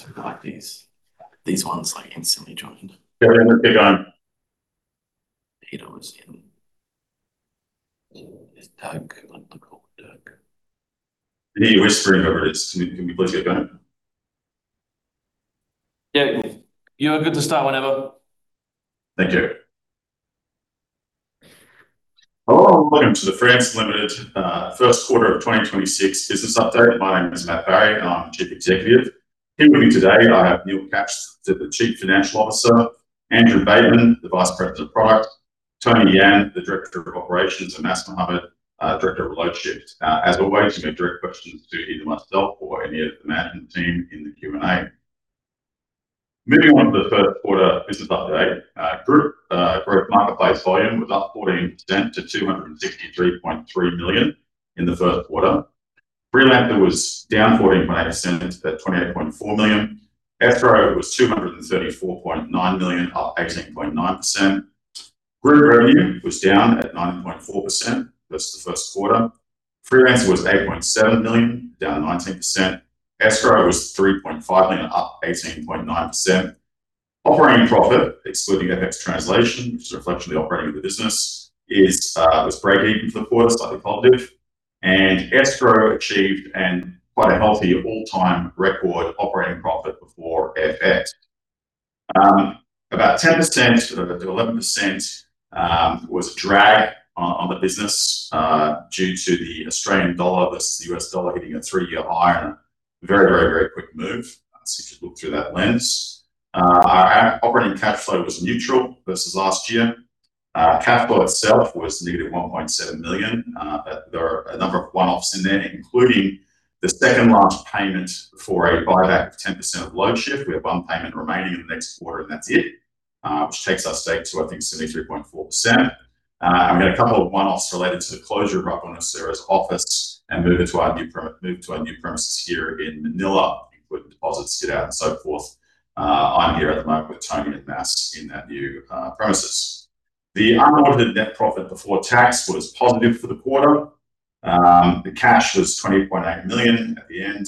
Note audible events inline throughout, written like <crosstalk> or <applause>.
Thank you. Hello and welcome to the Freelancer Limited first quarter of 2026 business update. My name is Matt Barrie, and I'm the Chief Executive. Here with me today, I have Neil Katz, the Chief Financial Officer, Andrew Bateman, the Vice President of Product, Tony Yang, the Director of Operations, and Mas Mohammad, Director of Loadshift. As always, you may direct questions to either myself or any of the management team in the Q&A. Moving on to the first quarter business update. Group GMV was up 14% to 263.3 million in the first quarter. Freelancer was down 14.8% at 28.4 million. Escrow was 234.9 million, up 18.9%. Group revenue was down at 9.4% versus the first quarter. Freelancer was 8.7 million, down 19%. Escrow was 3.5 million, up 18.9%. Operating profit excluding FX translation, which is a reflection of the operation of the business, was breakeven for the quarter, slightly positive, and Escrow achieved and quite a healthy all-time record operating profit before FX. About 10%-11% was a drag on the business, due to the Australian dollar versus the U.S. dollar hitting a three-year high on a very quick move, so if you look through that lens. Our operating cash flow was neutral versus last year. Cash flow itself was -1.7 million. There are a number of one-offs in there, including the second large payment for a buyback of 10% of Loadshift. We have one payment remaining in the next quarter, and that's it, which takes our stake to, I think, 73.4%. We had a couple of one-offs related to the closure of our Buenos Aires office and move to our new premises here in Manila, including deposits, get out, and so forth. I'm here at the moment with Tony and Mas in that new premises. The unaudited net profit before tax was positive for the quarter. The cash was 20.8 million at the end.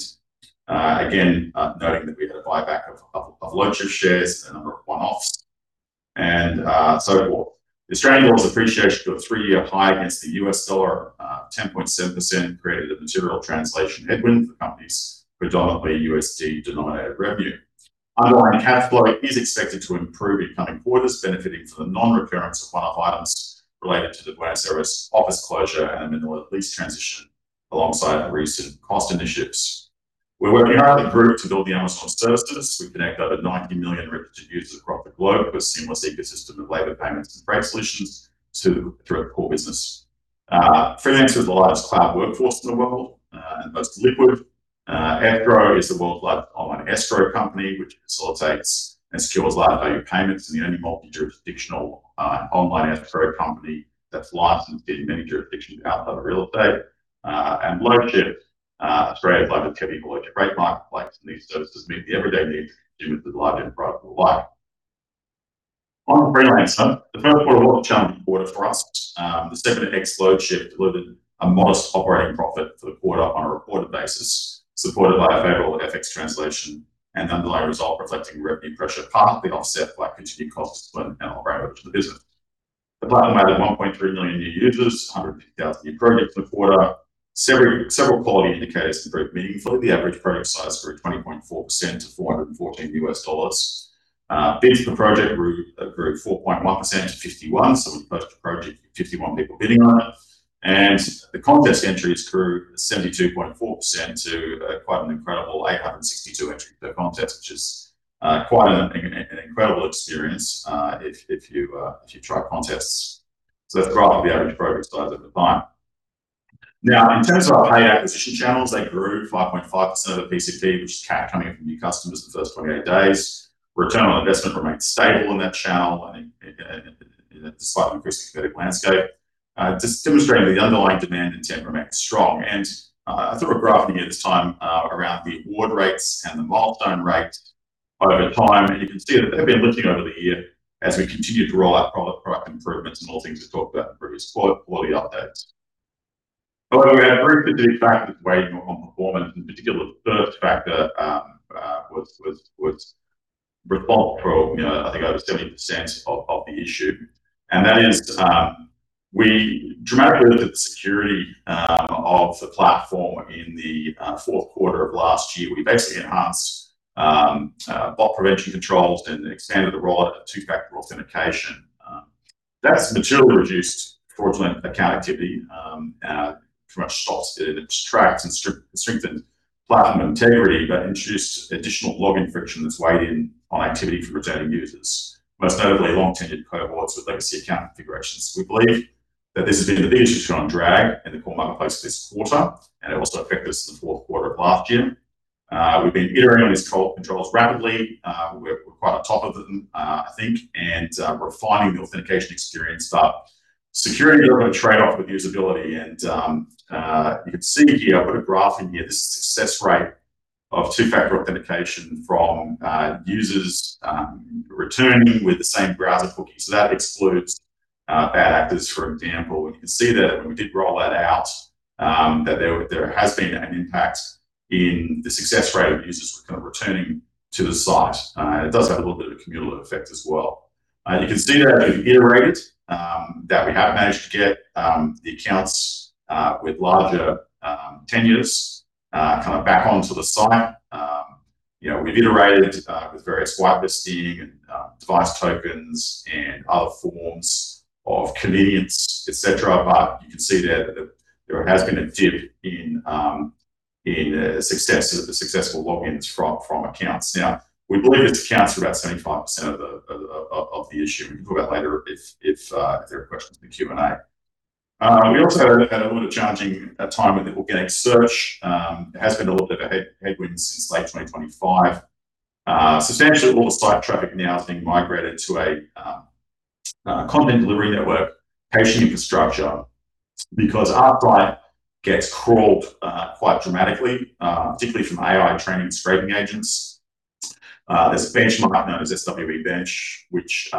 Again, noting that we had a buyback of Loadshift shares and a number of one-offs and so forth. The Australian dollar's appreciation to a three-year high against the U.S. dollar of 10.7% created a material translation headwind for companies predominantly USD-denominated revenue. Underlying cash flow is expected to improve in coming quarters, benefiting from the non-recurrence of one-off items related to the Buenos Aires office closure and a minor lease transition alongside the recent cost initiatives. We're working across the group to build our own services. We connect over 90 million registered users across the globe with a seamless ecosystem of labor payments and freight solutions through our core business. Freelancer is the largest crowd workforce in the world and the most liquid. Escrow is the world's largest online escrow company, which facilitates and secures large value payments, and the only multi-jurisdictional online escrow company that's licensed in many jurisdictions outside of real estate. Loadshift, Australia's largest heavy vehicle load rate marketplace, and these services meet the everyday needs of consumers with large and profitable scale. On Freelancer, the first quarter was a challenging quarter for us. The segment ex-Loadshift delivered a modest operating profit for the quarter on a reported basis, supported by a favorable FX translation and underlying result reflecting revenue pressure, partly offset by continued cost discipline and optimization to the business. The platform added 1.3 million new users, 150,000 new projects in the quarter. Several quality indicators improved meaningfully. The average project size grew 20.4% to $414. Bids per project grew 4.1% to 51, so on average, 51 people bidding on it, and the contest entries grew 72.4% to quite an incredible 862 entries per contest, which is quite an incredible experience if you try contests. That's driving up the average project size over time. Now, in terms of our paid acquisition channels, they grew 5.5% of the pcp, which is CAC coming in from new customers the first 28 days. Return on investment remained stable in that channel in a slightly more competitive landscape, just demonstrating the underlying demand intent remains strong. I threw a graph in here this time around the award rates and the milestone rate over time, and you can see that they've been lifting over the year as we continue to roll out product improvements and all the things we've talked about in previous quality updates. However, we had a group of key factors weighing on performance. In particular, the first factor was resolved for I think over 70% of the issue, and that is we dramatically looked at the security of the platform in the fourth quarter of last year. We basically enhanced bot prevention controls and expanded the role of two-factor authentication. That's materially reduced fraudulent account activity, and pretty much stops it in its tracks and strengthened platform integrity, but introduced additional login friction that's weighed in on activity for returning users, most notably long-tenured cohorts with legacy account configurations. We believe that this has been the biggest source of drag in the core marketplace this quarter, and it also affected us in the fourth quarter of last year. We've been iterating on these controls rapidly. We're quite on top of them, I think, and refining the authentication experience. Security is a bit of a trade-off with usability, and you can see here, I've put a graph in here, the success rate of two-factor authentication from users returning with the same browser cookies. That excludes bad actors, for example. You can see that when we did roll that out, that there has been an impact in the success rate of users kind of returning to the site. It does have a little bit of a cumulative effect as well. You can see there as we've iterated, that we have managed to get the accounts with larger tenures back onto the site. We've iterated with various whitelisting and device tokens and other forms of convenience, et cetera, but you can see there that there has been a dip in the successful logins from accounts. Now, we believe it accounts for about 75% of the issue. We can talk about it later if there are questions in the Q&A. We also had a little bit of a challenging time with the organic search. It has been a little bit of a headwind since late 2025. Substantially all the site traffic now is being migrated to a content delivery network caching infrastructure because our site gets crawled quite dramatically, particularly from AI training scraping agents. There's a benchmark known as SWE-bench, which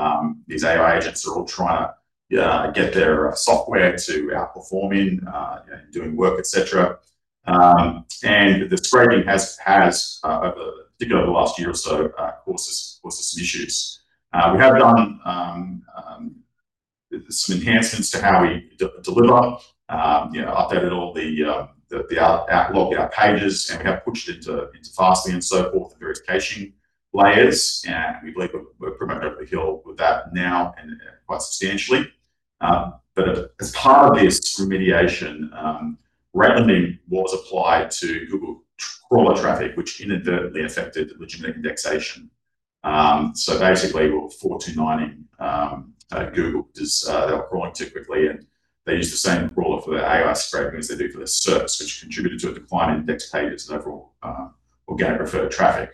these AI agents are all trying to get their software to outperform in doing work, et cetera. The scraping has over, particularly over the last year or so, caused us some issues. We have done some enhancements to how we deliver, updated all the outlook, our pages, and we have pushed it to Fastly and so forth and various caching layers. We believe we're pretty much over the hill with that now and quite substantially. As part of this remediation, randomly, what was applied to Google crawler traffic, which inadvertently affected legitimate indexation. Basically, we were 429ing Google because they were crawling too quickly, and they used the same crawler for their AI scraping as they do for their service, which contributed to a decline in indexed pages and overall organic referred traffic.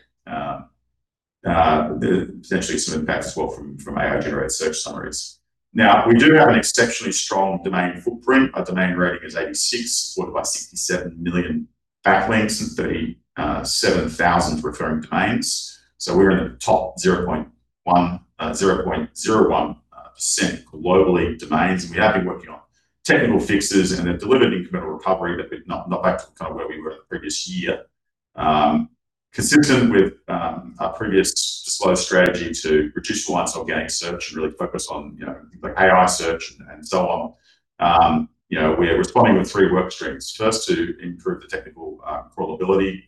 Potentially some impact as well from AI-generated search summaries. Now, we do have an exceptionally strong domain footprint. Our domain rating is 86, supported by 67 million backlinks and 37,000 referring domains. We're in the top 0.01% global domains, and we have been working on technical fixes and they've delivered incremental recovery, but not back to where we were in the previous year. Consistent with our previous SEO strategy to reduce reliance on organic search and really focus on things like AI search and so on. We're responding with three work streams. First, to improve the technical crawlability,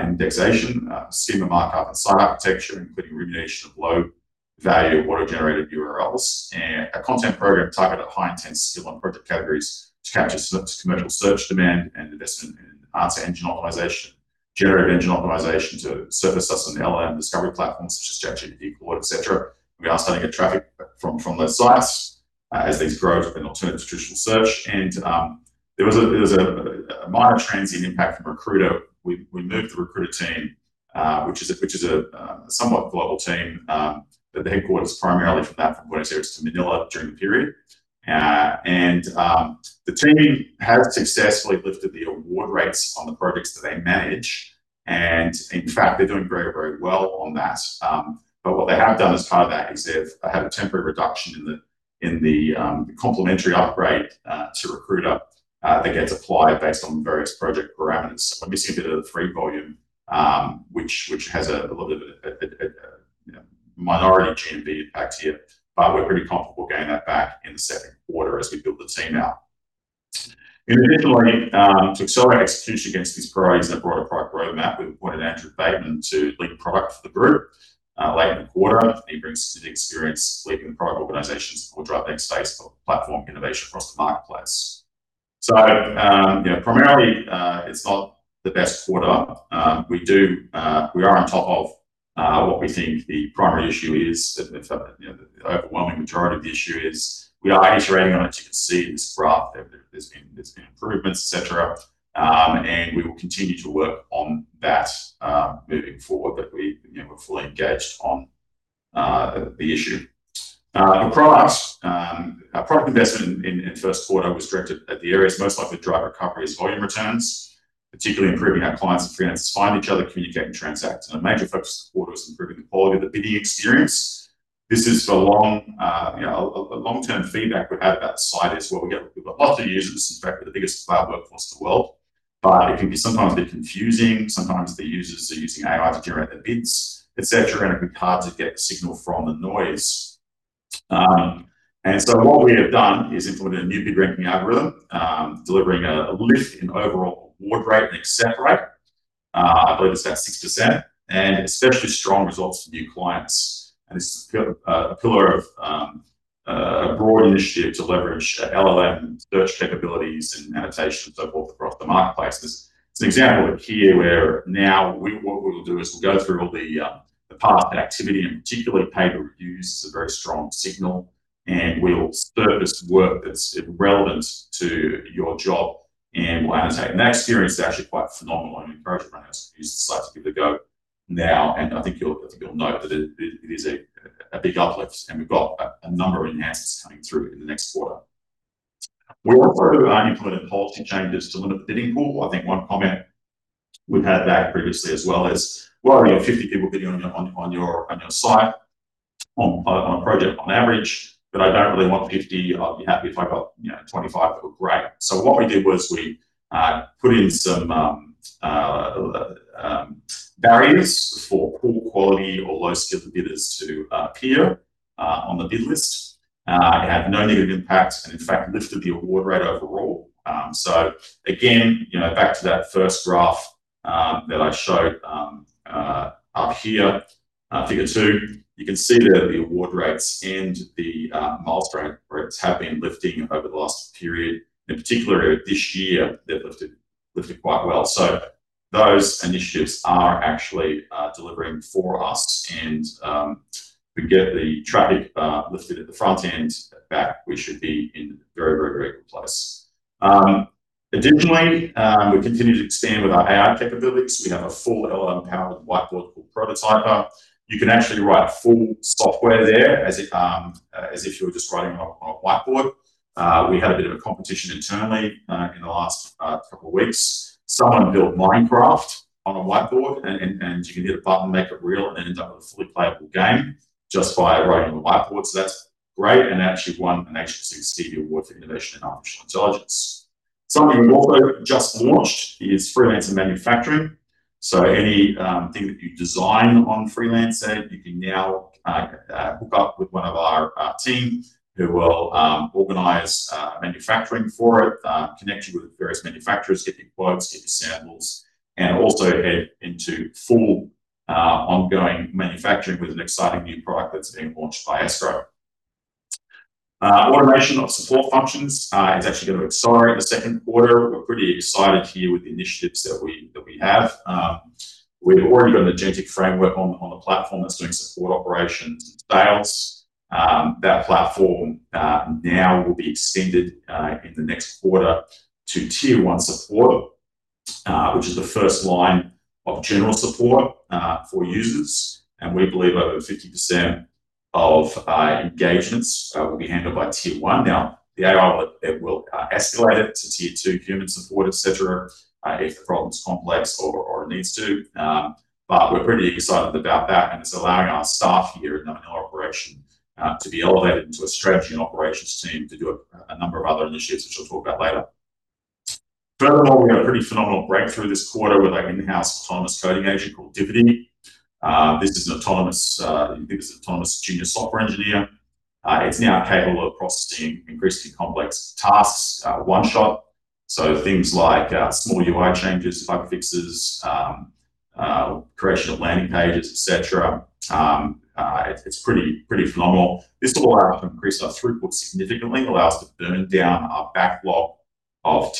indexation, schema markup, and site architecture, including remediation of low-value auto-generated URLs. A content program targeted at high-intent long-tail project categories to capture commercial search demand and invest in answer engine optimization, generative engine optimization to surface us on LLM discovery platforms such as ChatGPT, Claude, et cetera. We are starting to get traffic from those sites as these grow as an alternative to traditional search. There was a minor transient impact from Recruiter. We moved the Recruiter team, which is a somewhat global team, but the headquarters primarily for that from Buenos Aires to Manila during the period. The team have successfully lifted the award rates on the projects that they manage, and in fact, they're doing very well on that. What they have done as part of that is they've had a temporary reduction in the complimentary upgrade to Recruiter, that gets applied based on various project parameters. We're missing a bit of the free volume, which has a little bit of a minor GMV impact here, but we're pretty comfortable gaining that back in the second quarter as we build the team out. In addition, to accelerate execution against these priorities and a broader product roadmap, we've appointed Andrew Bateman to lead product for the group late in the quarter. He brings extensive experience leading product organizations or driving space for platform innovation across the marketplace. Primarily, it's not the best quarter. We are on top of what we think the primary issue is. The overwhelming majority of the issue is we are iterating on it. You can see in this graph there's been improvements, et cetera. We will continue to work on that moving forward, but we're fully engaged on the issue. On product. Our product investment in first quarter was directed at the areas most likely to drive recovery as volume returns, particularly improving how clients and freelancers find each other, communicate, and transact. A major focus this quarter was improving the quality of the bidding experience. This is a long-term feedback we've had about the site is while we've got lots of users. In fact, we're the biggest crowd workforce in the world, but it can be sometimes a bit confusing. Sometimes the users are using AI to generate the bids, et cetera, and it can be hard to get the signal from the noise. What we have done is implemented a new bid-ranking algorithm, delivering a lift in overall award rate and accept rate. I believe it's at 6%, and especially strong results for new clients. This is a pillar of a broad initiative to leverage LLM search capabilities and annotation and so forth across the marketplace. It's an example here where now what we will do is we'll go through all the past activity, and particularly paper reviews is a very strong signal, and we'll surface work that's relevant to your job, and we'll annotate. That experience is actually quite phenomenal. I encourage everyone else to use the site to give it a go now. I think you'll note that it is a big uplift, and we've got a number of enhancements coming through in the next quarter. We have also implemented policy changes to limit the bidding pool. I think one comment we've had back previously as well is, "Well, I know 50 people bid on your site, on project on average, but I don't really want 50 I'd be happy if I got 25 that were great." What we did was we put in some barriers for poor quality or low-skill bidders to appear on the bid list. It had no negative impacts, and in fact, lifted the award rate overall. Again, back to that first graph that I showed up here, Figure 2, you can see there the award rates and the milestone rates have been lifting over the last period. In particular, this year, they've lifted quite well. Those initiatives are actually delivering for us, and we get the traffic lifted at the front end, at the back we should be in a very good place. Additionally, we continue to expand with our AI capabilities. We have a full LLM-powered whiteboard called Prototyper. You can actually write full software there as if you were just writing on a whiteboard. We had a bit of a competition internally in the last couple of weeks. Someone built Minecraft on a whiteboard, and you can hit a button, make it real, and end up with a fully playable game just by writing on the whiteboard. That's great, and they actually won an Xbox Series X award for innovation in artificial intelligence. Something we also just launched is Freelancer manufacturing. Anything that you design on Freelancer, you can now hook up with one of our team who will organize manufacturing for it, connect you with various manufacturers, get you quotes, get you samples, and also head into full ongoing manufacturing with an exciting new product that's being launched by Astro. Automation of support functions is actually going to accelerate in the second quarter. We're pretty excited here with the initiatives that we have. We've already got an agentic framework on the platform that's doing support operations and sales. That platform now will be extended in the next quarter to tier one support, which is the first line of general support for users. We believe over 50% of engagements will be handled by tier one. Now, the AI, it will escalate it to tier two human support, et cetera, if the problem's complex or it needs to. We're pretty excited about that, and it's allowing our staff here in the Manila operation to be elevated into a strategy and operations team to do a number of other initiatives, which I'll talk about later. Furthermore, we got a pretty phenomenal breakthrough this quarter with our in-house autonomous coding agent called Diffuty. This is an autonomous junior software engineer. It's now capable of processing increasingly complex tasks one shot, so things like small UI changes, bug fixes, creation of landing pages, et cetera. It's pretty phenomenal. This will allow us to increase our throughput significantly, allow us to burn down our backlog of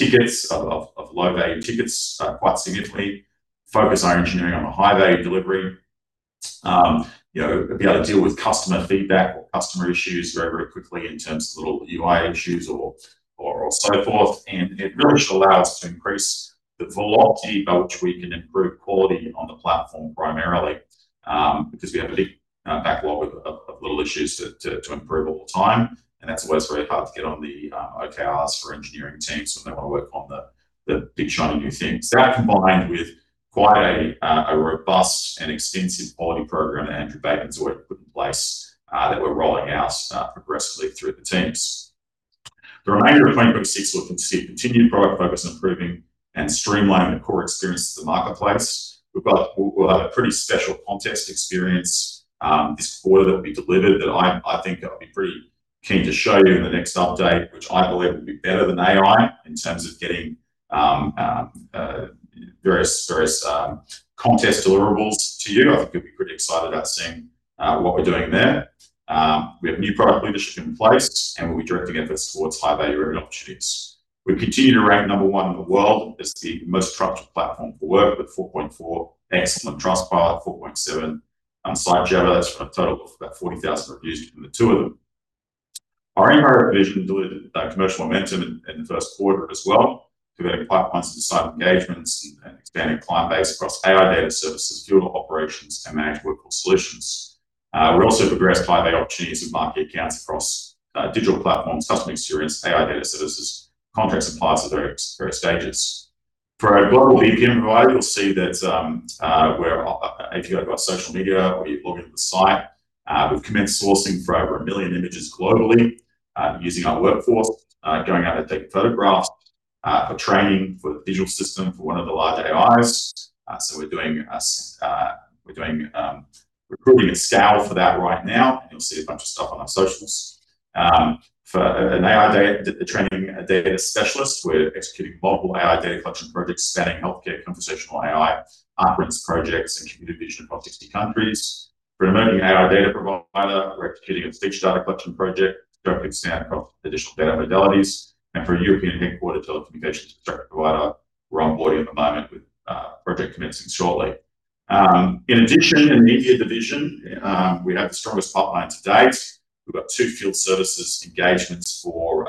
low-value tickets quite significantly, focus our engineering on the high-value delivery, be able to deal with customer feedback or customer issues very, very quickly in terms of little UI issues or so forth. It really should allow us to increase the velocity by which we can improve quality on the platform primarily, because we have a big backlog of little issues to improve all the time. That's always very hard to get on the OKRs for engineering teams when they want to work on the big shiny new things. That combined with quite a robust and extensive quality program that Andrew Bateman's already put in place, that we're rolling out progressively through the teams. The remainder of 2026, looking to see continued product focus on improving and streamlining the core experience of the marketplace. We've got a pretty special contest experience, this quarter that will be delivered that I think I'll be pretty keen to show you in the next update, which I believe will be better than AI in terms of getting various contest deliverables to you. I think you'll be pretty excited about seeing what we're doing there. We have new product leadership in place, and we'll be directing efforts towards high-value revenue opportunities. We continue to rank number one in the world as the most trusted platform for work with 4.4 excellent Trustpilot, 4.7 on Sitejabber. That's from a total of about 40,000 reviews between the two of them. Our AI-enabled division delivered commercial momentum in the first quarter as well, converting pipelines into signed engagements and expanding client base across AI data services, field operations, and managed workforce solutions. We also progressed high-value opportunities with market accounts across digital platforms, customer experience, AI data services, contracts, and pilots at various stages. For our global media provider, you'll see that if you go to our social media or you log into the site, we've commenced sourcing for over 1 million images globally, using our workforce, going out to take photographs for training for the visual system for one of the large AIs. We're recruiting at scale for that right now, and you'll see a bunch of stuff on our socials. For an AI data training data specialist, we're executing multiple AI data collection projects spanning healthcare, conversational AI, armaments projects, and computer vision across 60 countries. For an emerging AI data provider, we're executing a speech data collection project to rapidly expand across additional data modalities. For a European headquartered telecommunications infrastructure provider, we're onboarding at the moment with project commencing shortly. In addition, in the media division, we have the strongest pipeline to date. We've got two field services engagements for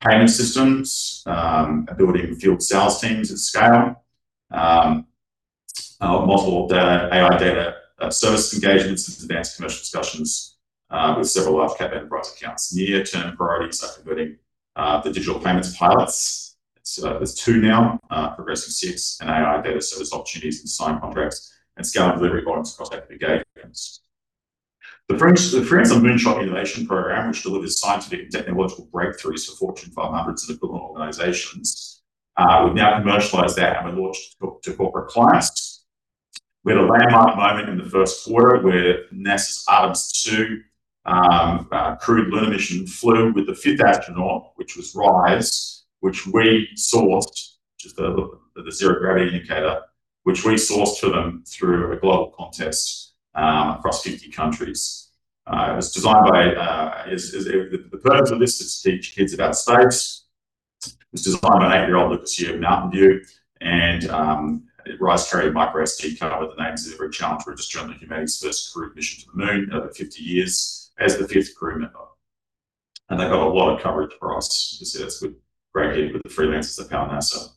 payment systems, ability to field sales teams at scale, multiple AI data service engagements into advanced commercial discussions with several large cap enterprise accounts. Near-term priorities are converting the digital payments pilots. There's two now, progressing six and AI data service opportunities into signed contracts and scale of delivery volumes across active engagements. The Freelancer Moonshot Innovation Program, which delivers scientific and technological breakthroughs for Fortune 500s and equivalent organizations, we've now commercialized that and we launched to corporate clients. We had a landmark moment in the first quarter where NASA's Artemis II crewed lunar mission flew with the fifth astronaut, which was Rise, which we sourced, which was the zero-gravity indicator, which we sourced for them through a global contest across 50 countries. The purpose of this is to teach kids about space. It was designed by an eight-year-old, Lucas Ye of Mountain View, and Rise carried a microSD card with the names of every freelancer who registered on humanity's first crewed mission to the moon in over 50 years as the fifth crew member. They got a lot of coverage for us, which you can see. That's the breaking news with the freelancers that powered NASA.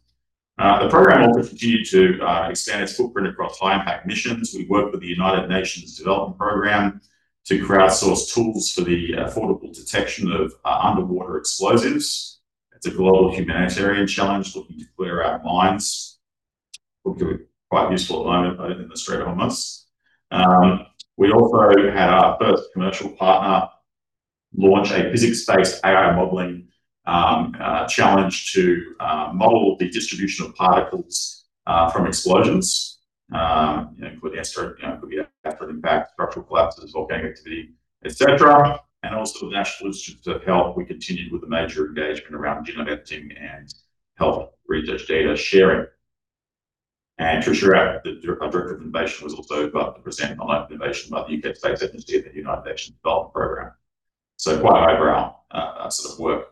The program will continue to expand its footprint across high-impact missions. We worked with the United Nations Development Programme to crowdsource tools for the affordable detection of underwater explosives. It's a global humanitarian challenge looking to clear out mines, which will be quite useful at the moment in the Strait of Hormuz. We also had our first commercial partner launch a physics-based AI modeling challenge to model the distribution of particles from explosions, could be asteroid impact, structural collapses, volcanic activity, et cetera. Also the National Institutes of Health, we continued with a major engagement around genome editing and health research data sharing. Trisha, our Director of Innovation, was also invited to present on live innovation by the UK Space Agency at the United Nations Development Programme. Quite eyebrow-raising sort of work.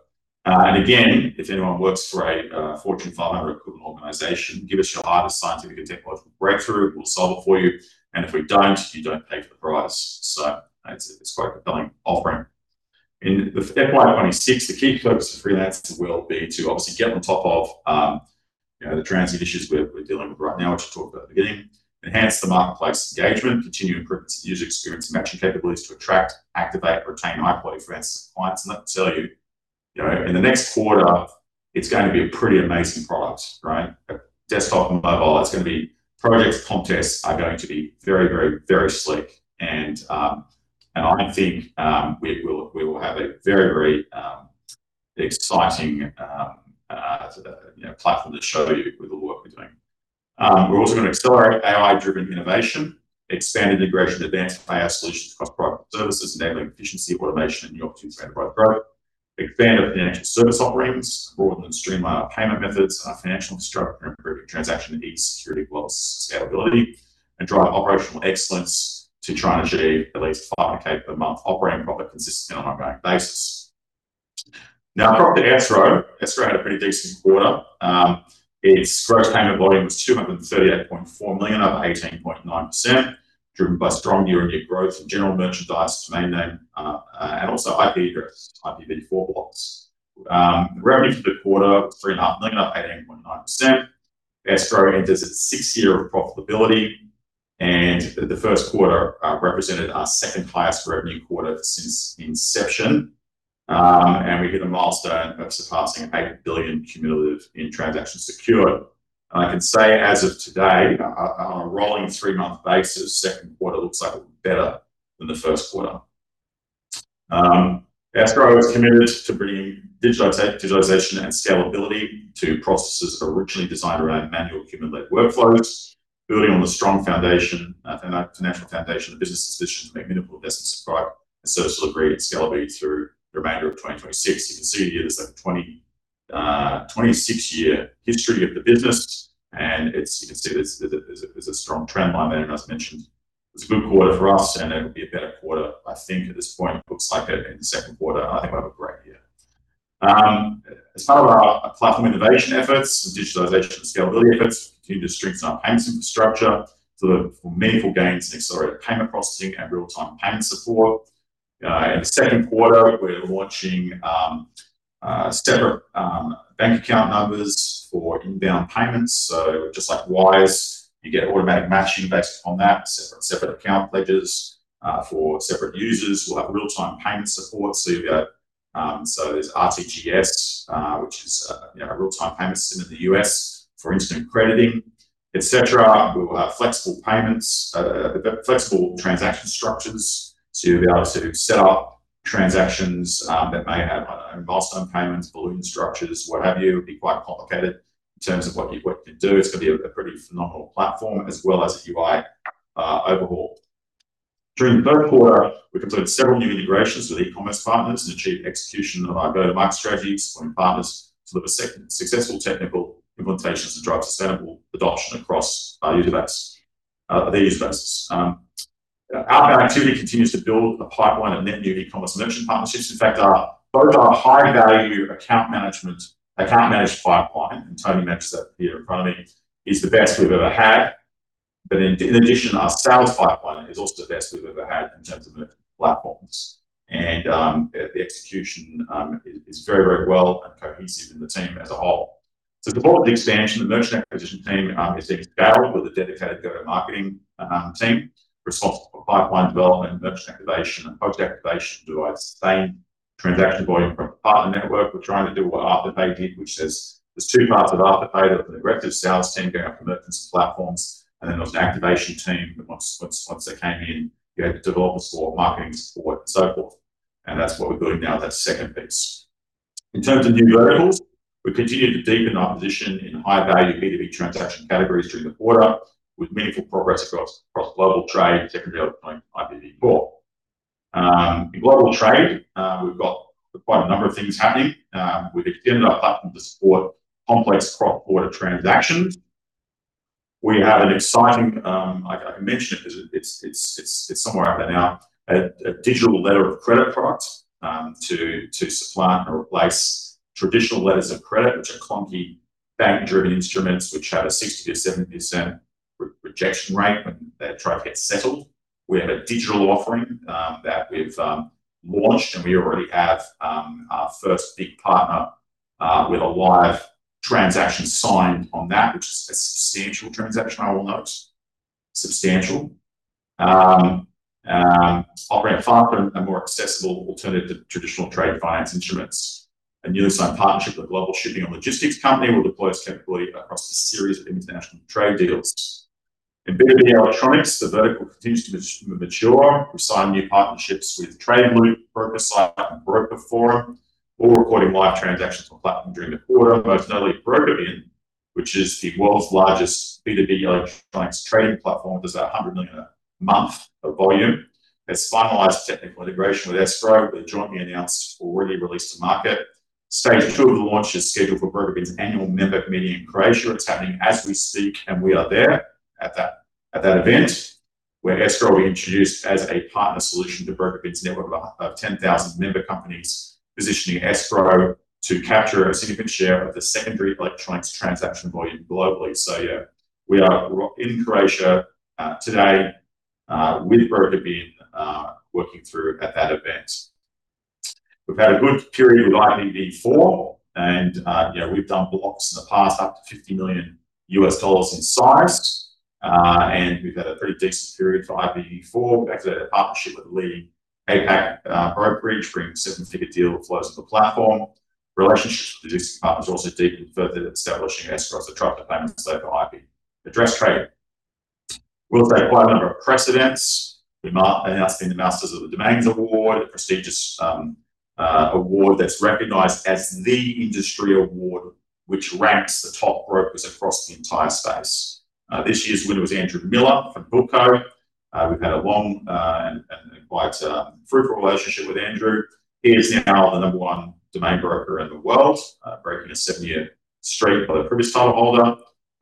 Again, if anyone works for a Fortune 500 equivalent organization, give us your hardest scientific and technological breakthrough. We'll solve it for you. If we don't, you don't pay for the price. It's quite a compelling offering. In FY 2026, the key focus of Freelancer will be to obviously get on top of the transit issues we're dealing with right now, which we talked about at the beginning, enhance the marketplace engagement, continue improvements to the user experience and matching capabilities to attract, activate, and retain high-quality freelancers and clients. Let me tell you, in the next quarter, it's going to be a pretty amazing product. Desktop and mobile, projects, contests are going to be very slick and I think we will have a very exciting platform to show you with all the work we're doing. We're also going to accelerate AI-driven innovation, expand integration, advanced payment solutions across product services, enabling efficiency, automation, and new opportunities for enterprise growth. Expand our financial service offerings, broaden and streamline our payment methods, our financial structure, and improving transaction needs, security, growth, scalability, and drive operational excellence to try and achieve at least 500,000 per month operating profit consistently on an ongoing basis. Now, the product Escrow. Escrow had a pretty decent quarter. Its gross payment volume was 238.4 million, up 18.9%, driven by strong year-on-year growth from general merchandise, domain name, and also IP address, IPv4 blocks. The revenue for the quarter was 3.5 million, up 18.9%. Escrow enters its sixth year of profitability, and the first quarter represented our second highest revenue quarter since inception. We hit a milestone of surpassing 8 billion in cumulative transactions secured. I can say as of today, on a rolling three-month basis, second quarter looks like it will be better than the first quarter. Escrow is committed to bringing digitalization and scalability to processes originally designed around manual human-led workflows, building on the strong foundation, financial foundation of the business's decision to make meaningful investments in product and services to leverage scalability through the remainder of 2026. You can see here there's a 26-year history of the business, and you can see there's a strong trend line there. As mentioned, it was a good quarter for us, and it will be a better quarter, I think, at this point, it looks like it in the second quarter, and I think we'll have a great year. As part of our platform innovation efforts and digitalization and scalability efforts to continue to strengthen our payment infrastructure to deliver meaningful gains and accelerate payment processing and real-time payment support. In the second quarter, we're launching separate bank account numbers for inbound payments. Just like Wise, you get automatic matching based upon that, separate account ledgers for separate users. We'll have real-time payment support. There's RTGS, which is a real-time payment system in the U.S., for instant crediting, et cetera. We will have flexible payments, flexible transaction structures to be able to set up transactions that may have milestone payments, balloon structures, what have you. It can be quite complicated in terms of what you can do. It's going to be a pretty phenomenal platform, as well as a UI overhaul. During the third quarter, we completed several new integrations with e-commerce partners and achieved execution of our go-to-market strategies from partners to deliver successful technical implementations to drive sustainable adoption across their user base. Our activity continues to build a pipeline of net new e-commerce merchant partnerships. In fact, both our high-value account managed pipeline, and Tony manages that here in front of me, is the best we've ever had. In addition, our sales pipeline is also the best we've ever had in terms of platforms. The execution is very well and cohesive in the team as a whole. To support the expansion, the merchant acquisition team is being expanded with a dedicated go-to-marketing team responsible for pipeline development, merchant activation, and post-activation to drive sustained transaction volume from a partner network. We're trying to do what Afterpay did, which there's two parts of Afterpay. There was the direct sales team going after merchants and platforms, and then there was an activation team that once they came in, you had the developer support, marketing support, and so forth. That's what we're building now, that second piece. In terms of new verticals, we continued to deepen our position in high-value B2B transaction categories during the quarter with meaningful progress across global trade, secondary electronics, and IPv4. In global trade, we've got quite a number of things happening. We've extended our platform to support complex cross-border transactions. We have an exciting, I can mention it because it's somewhere out there now, a digital letter of credit product, to supplant or replace traditional letters of credit, which are clunky, bank-driven instruments which have a 60%-70% rejection rate when their trade gets settled. We have a digital offering that we've launched, and we already have our first big partner with a live transaction signed on that, which is a substantial transaction, I will note. Substantial. It offers a far more accessible alternative to traditional trade finance instruments. A newly signed partnership with a global shipping and logistics company will deploy this capability across a series of international trade deals. In B2B electronics, the vertical continues to mature. We've signed new partnerships with TradingBlue, BrokerCypher, and The Broker Forum, all recording live transactions on the platform during the quarter. Most notably BrokerBin, which is the world's largest B2B electronics trading platform, does $100 million a month of volume, has finalized technical integration with Escrow that jointly announced, already released to market. Stage two of the launch is scheduled for BrokerBin's annual member meeting in Croatia. It's happening as we speak, and we are there at that event, where Escrow will be introduced as a partner solution to BrokerBin's network of over 10,000 member companies, positioning Escrow to capture a significant share of the secondary electronics transaction volume globally. Yeah, we are in Croatia today, with BrokerBin, working through at that event. We've had a good period with IPv4, and we've done blocks in the past up to $50 million in size. We've had a pretty decent period for IPv4. We have a partnership with a leading APAC brokerage bringing seven-figure deal flows to the platform. The relationship with existing partners also deepened further with establishing Escrow as the trusted payments over IP address trade. We'll take quite a number of precedents. We announced the Master of Domains Award, a prestigious award that's recognized as the industry award, which ranks the top brokers across the entire space. This year's winner was Andrew Miller from Hilco. We've had a long, and quite a fruitful relationship with Andrew. He is now the number one domain broker in the world, breaking a seven-year streak by the previous title holder.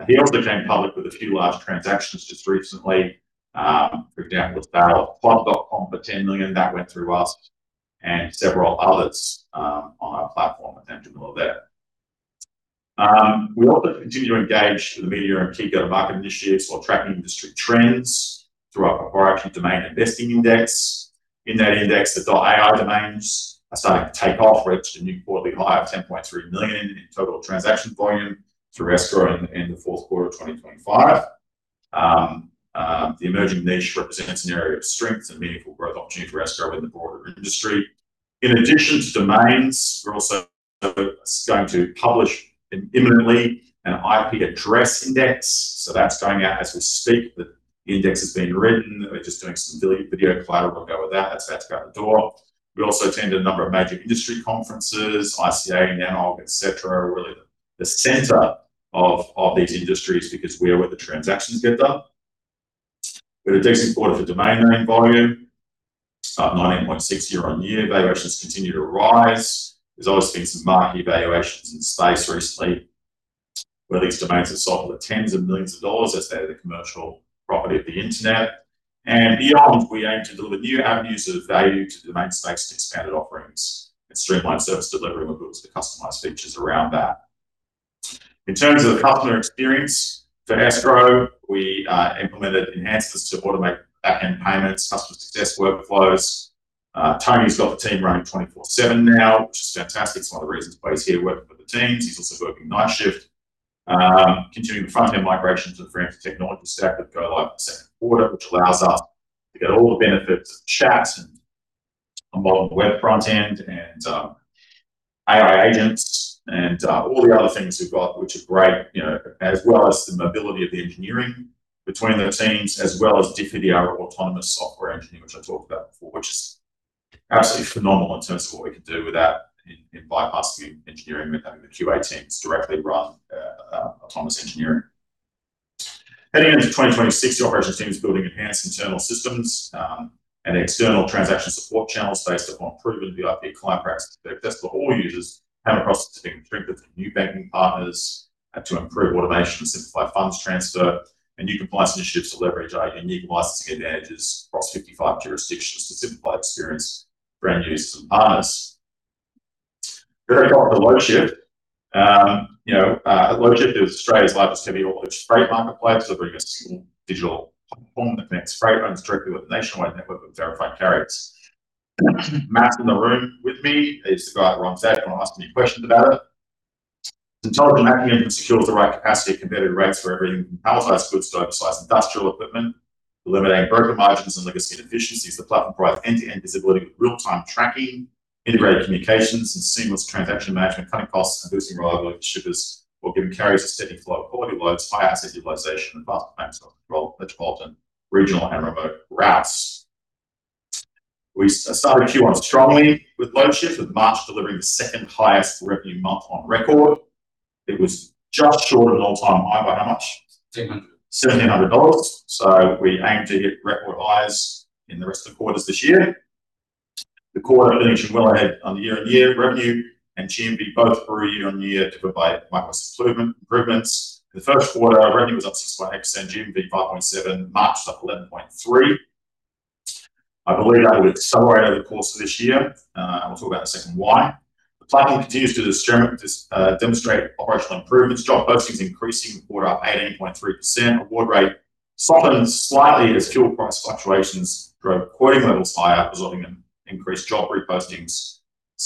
He also came public with a few large transactions just recently, for example, clock.com for $10 million, that went through us, and several others on our platform with Andrew Miller there. We also continue to engage with the media and key go-to-market initiatives while tracking industry trends through our proprietary domain investing index. In that index, the .ai domains are starting to take off. Reached a new quarterly high of 10.3 million in total transaction volume through Escrow in the fourth quarter of 2025. The emerging niche represents an area of strength and meaningful growth opportunity for Escrow in the broader industry. In addition to domains, we're also going to publish imminently an IP address index, so that's going out as we speak. The index has been written. We're just doing some video collateral to go with that. That's about to go out the door. We also attend a number of major industry conferences, ICANN, NANOG, et cetera, really the center of these industries because we're where the transactions get done. We had a decent quarter for domain name volume, up 19.6% year-on-year. Valuations continue to rise. There's obviously been some marquee valuations in the space recently where these domains have sold for tens of millions of dollars as they are the commercial property of the internet. Beyond, we aim to deliver new avenues of value to the domain space with expanded offerings and streamlined service delivery with regards to customized features around that. In terms of the customer experience for Escrow, we implemented enhancers to automate backend payments, customer success workflows. Tony's got the team running 24/7 now, which is fantastic. It's one of the reasons why he's here working with the teams. He's also working night shift. Continuing the front-end migration to the Freelancer technology stack that go live in the second quarter, which allows us to get all the benefits of chats and a modern web front end and AI agents and all the other things we've got, which are great, as well as the mobility of the engineering between the teams, as well as Diffuty autonomous software engineering, which I talked about before, which is absolutely phenomenal in terms of what we can do with that in bypassing engineering without even the QA teams directly run autonomous engineering. Heading into 2026, the operations team is building enhanced internal systems, and external transaction support channels based upon proven VIP client practices to benefit all users. Payment processing improved with new banking partners to improve automation, simplify funds transfer, and new compliance initiatives to leverage AI and new licensing advantages across 55 jurisdictions to simplify experience for brand new system partners. Very quick on Loadshift. Loadshift is Australia's largest heavy haulage freight marketplace, delivering a single digital platform that connects freight runners directly with a nationwide network of verified carriers. Matt's in the room with me. He's the guy who runs that if you want to ask me questions about it. The technology behind them secures the right capacity at competitive rates for everything from palletized goods to oversized industrial equipment, eliminating broker margins and legacy inefficiencies. The platform provides end-to-end visibility with real-time tracking, integrated communications, and seamless transaction management, cutting costs and boosting reliability for shippers, while giving carriers a steady flow of quality loads, high asset utilization, and faster payments on metropolitan, regional, and remote routes. We started Q1 strongly with Loadshift, with March delivering the second highest revenue month on record. It was just short of an all-time high by how much? 1,700 dollars. AUD 1,700. We aim to hit record highs in the rest of the quarters this year. The quarter finishing well ahead on the year-on-year revenue and GMV both grew year-on-year to provide marketplace improvements. In the first quarter, our revenue was up 6.8%, GMV 5.7%, March was up 11.3%. I believe that will accelerate over the course of this year, and we'll talk about in a second why. The platform continues to demonstrate operational improvements. Job postings increasing quarter-over-quarter up 18.3%. Award rate softened slightly as fuel price fluctuations drove quoting levels higher, resulting in increased job repostings.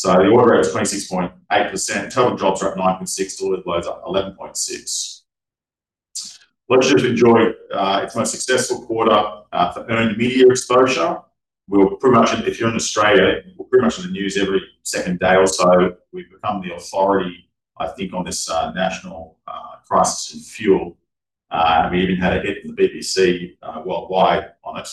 The award rate is 26.8%. Total jobs are up 9.6%. Delivered loads up 11.6%. Loadshift enjoyed its most successful quarter for earned media exposure. If you're in Australia, we're pretty much in the news every second day or so. We've become the authority, I think, on this national crisis in fuel. We even had a hit from the BBC worldwide on it.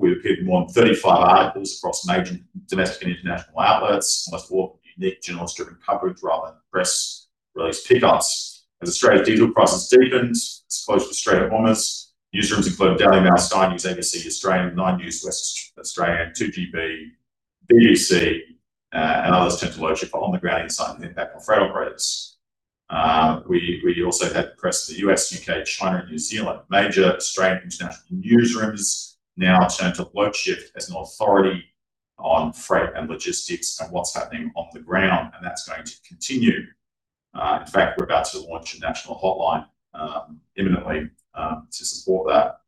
We appeared in more than 35 articles across major domestic and international outlets. Most of them unique journalist-driven coverage rather than press release pickups. As Australia's diesel prices deepen, exposure for Australian haulage newsrooms including Daily Mail, Sky News, ABC Australia, Nine News, The West Australian, 2GB, BBC, and others turned to Loadshift for on-the-ground insight and impact on freight operators. We also had press in the U.S., U.K., China, and New Zealand. Major Australian international newsrooms now turn to Loadshift as an authority on freight and logistics and what's happening on the ground, and that's going to continue. In fact, we're about to launch a national hotline imminently, to support that.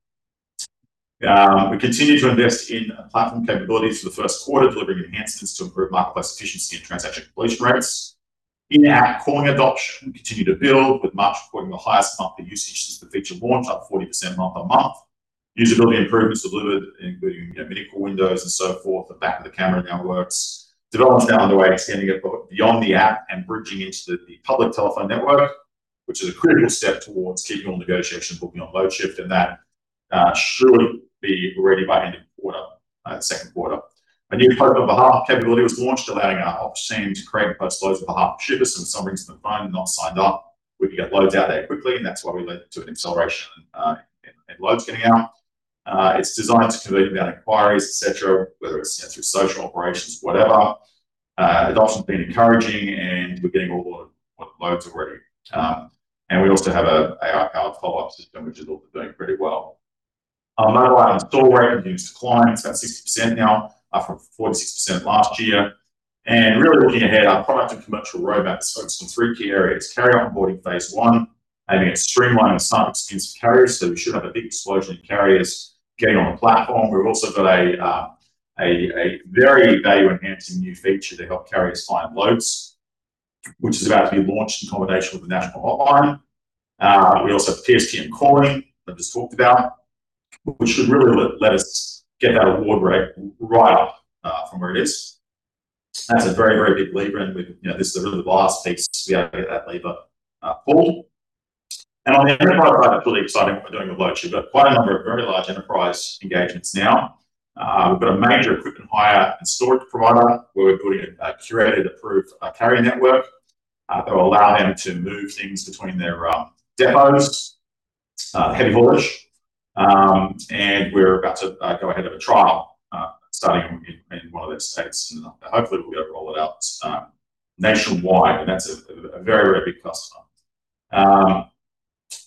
We continue to invest in platform capabilities for the first quarter, delivering enhancements to improve marketplace efficiency and transaction completion rates. In-app calling adoption continued to build, with March recording the highest monthly usage since the feature launched, up 40% month-over-month. Usability improvements delivered, including mini call windows and so forth. The back of the camera now works. Development is now underway, extending it beyond the app and bridging into the public telephone network, which is a critical step towards keeping all negotiations booking on Loadshift, and that should be ready by end of second quarter. A new quote on behalf of capability was launched allowing our ops team to create and post loads on behalf of shippers. If someone rings in the phone not signed up, we can get loads out there quickly, and that's what we lead to an acceleration in loads getting out. It's designed to convert inquiries, et cetera, whether it's through social operations, whatever. Adoption's been encouraging, and we're getting a lot of loads already. We also have an AI-powered follow-up system, which is also doing pretty well. Our mobile app install rate continues to climb. It's at 60% now, up from 46% last year. Really looking ahead, our product and commercial roadmap is focused on three key areas. Carrier onboarding phase one, aiming at streamlining the sign-up experience for carriers. We should have a big explosion in carriers getting on the platform. We've also got a very value-enhancing new feature to help carriers find loads, which is about to be launched in combination with the National Hotline. We also have PSTN calling I've just talked about, which should really let us get that onboard rate right up from where it is. That's a very, very big lever, and this is really the last piece to be able to get that lever full. On the enterprise side, really exciting what we're doing with Loadshift. We've got quite a number of very large enterprise engagements now. We've got a major equipment hire and storage provider where we're building a curated, approved carrier network that will allow them to move things between their depots. Heavy haulage. We're about to go ahead with a trial starting in one of their states, and hopefully, we'll be able to roll it out nationwide, and that's a very, very big customer.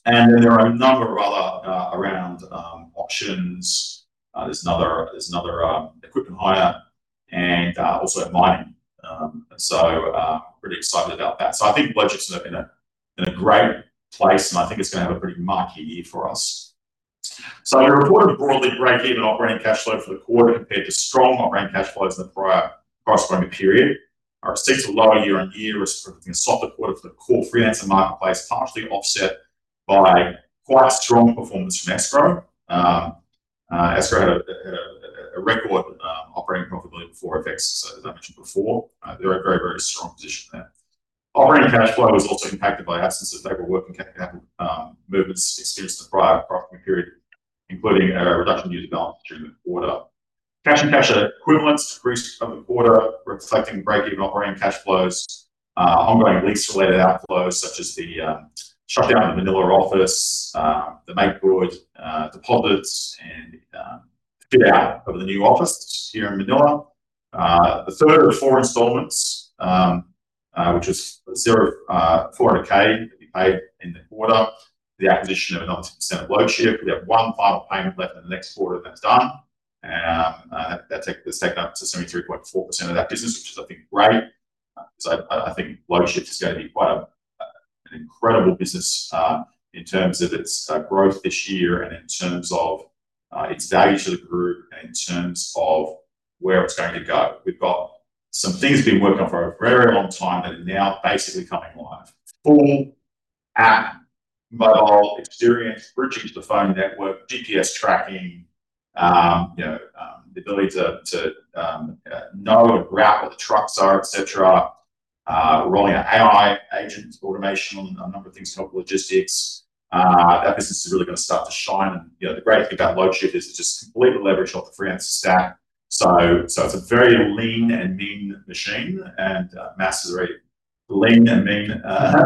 Then there are a number of others around auctions. There's another equipment hire and also mining. Really excited about that. I think Loadshift's in a great place, and I think it's going to have a pretty mark year for us. We reported a broadly breakeven operating cash flow for the quarter compared to strong operating cash flows in the prior corresponding period. Our results lower year-on-year is reflecting a softer quarter for the core Freelancer marketplace, partially offset by quite a strong performance from Escrow. Escrow had a record operating profitability before FX, as I mentioned before. They're in a very, very strong position there. Operating cash flow was also impacted by absence of paperwork and capital movements experienced in the prior corresponding period, including a reduction in user balance during the quarter. Cash and cash equivalents increased over the quarter, reflecting breakeven operating cash flows, ongoing lease-related outflows such as the shutdown of the Manila office, the make-good, deposits, and fit-out of the new office here in Manila. The third of the four installments, which is 400,000, will be paid in the quarter. The acquisition of 19% of Loadshift. We have one final payment left in the next quarter, and that's done. That's taken up to 73.4% of that business, which is, I think, great because I think Loadshift is going to be quite an incredible business in terms of its growth this year and in terms of its value to the group and in terms of where it's going to go. We've got some things we've been working on for a very long time that are now basically coming live. Full app mobile experience, bridging to the phone network, GPS tracking, the ability to know and route where the trucks are, et cetera. We're rolling out AI agent automation on a number of things to help logistics. That business is really going to start to shine. The great thing about Loadshift is it's just completely leveraged off the Freelancer stack. It's a very lean and mean machine. Mas is a very lean and mean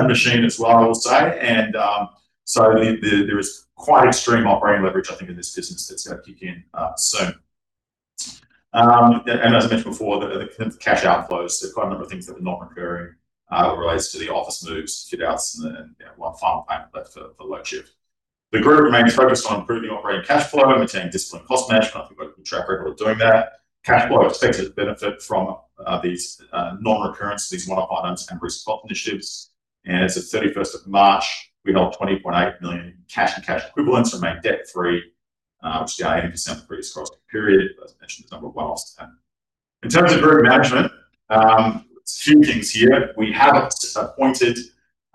machine as well, I will say. There is quite extreme operating leverage, I think, in this business that's going to kick in soon. As I mentioned before, the cash outflows, there are quite a number of things that were non-recurring, relates to the office moves, fit outs, and one final payment left for Loadshift. The group remains focused on improving operating cash flow and maintaining disciplined cost management. I think we have a good track record of doing that. Cash flow expected to benefit from these non-recurrence, these one-off items and risk initiatives. As at 31st of March, we held 20.8 million in cash and cash equivalents, remain debt-free, which is down 18% from the previous corresponding period. <audio distortion> In terms of group management, a few things here. We have appointed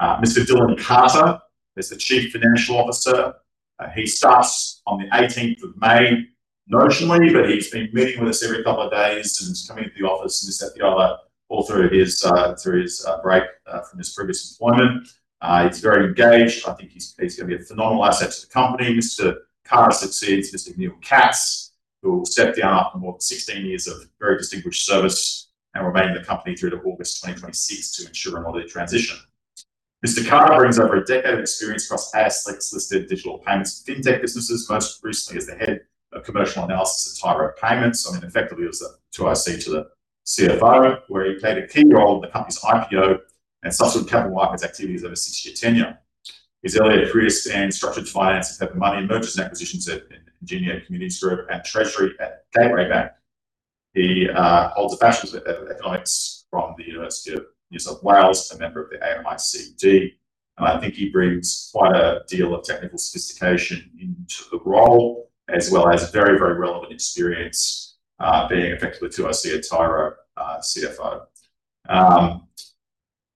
Mr. Dylan Carter as the Chief Financial Officer. He starts on the 18th of May, notionally, but he's been meeting with us every couple of days and coming into the office this, that, and the other all through his break from his previous employment. He's very engaged. I think he's going to be a phenomenal asset to the company. Mr. Carter succeeds Mr. Neil Katz, who will step down after more than 16 years of very distinguished service and remain in the company through to August 2026 to ensure a smooth transition. Mr. Carter brings over a decade of experience across ASX-listed digital payments and fintech businesses, most recently as the Head of Commercial Analysis at Tyro Payments. I mean, effectively it was a 2IC to the CFO, where he played a key role in the company's IPO and subsequent capital markets activities over his six-year tenure. His earlier career spans structured finance and paper money and mergers and acquisitions at Ingenia Communities Group and treasury at Macquarie Bank. He holds a bachelor's of economics from the University of New South Wales, a member of the MAICD. I think he brings quite a deal of technical sophistication into the role, as well as very relevant experience, being effectively 2IC at Tyro, CFO.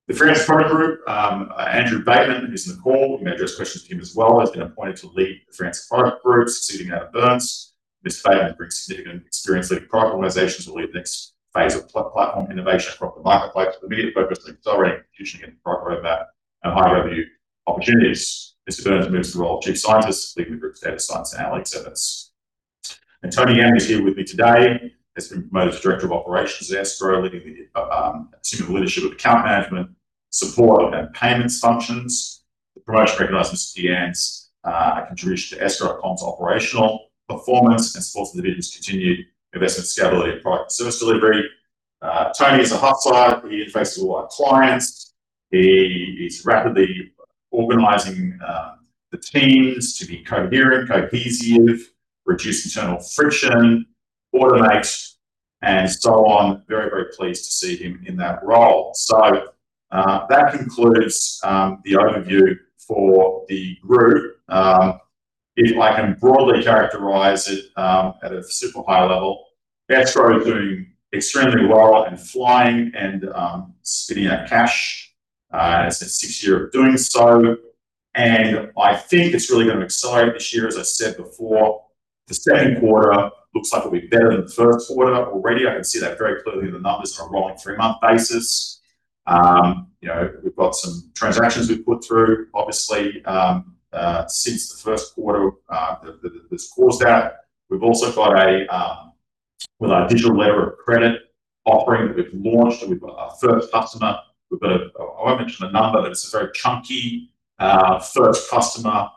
The finance product group, Andrew Bateman, who's in the call, you may address questions to him as well, has been appointed to lead the finance product group, succeeding Adam Byrnes. Mr. Bateman brings significant experience leading product organizations to lead the next phase of platform innovation across the marketplace with immediate focus on accelerating, positioning in the product roadmap and high revenue opportunities. Mr. Byrnes moves to the role of Chief Scientist, leading the group's data science and analytics efforts. Tony Yang is here with me today, has been promoted to Director of Operations at Escrow, assuming the leadership of account management, support and payments functions. The promotion recognizes Mr. Yang's contribution to Escrow account operational performance in support of the business's continued investment, scalability, and product and service delivery. Tony is a hot hire. He interfaces with a lot of clients. He is rapidly organizing the teams to be coherent, cohesive, reduce internal friction, automate, and so on. Very pleased to see him in that role. That concludes the overview for the group. If I can broadly characterize it, at a super high level, Escrow is doing extremely well and flying and spitting out cash, and it's in its sixth year of doing so. I think it's really going to accelerate this year. As I said before, the second quarter looks like it'll be better than the first quarter. Already, I can see that very clearly in the numbers on a rolling three-month basis. We've got some transactions we've put through, obviously, since the first quarter closed out. We've also got our digital letter of credit offering that we've launched, and we've got our first customer. I won't mention the number, but it's a very chunky first customer,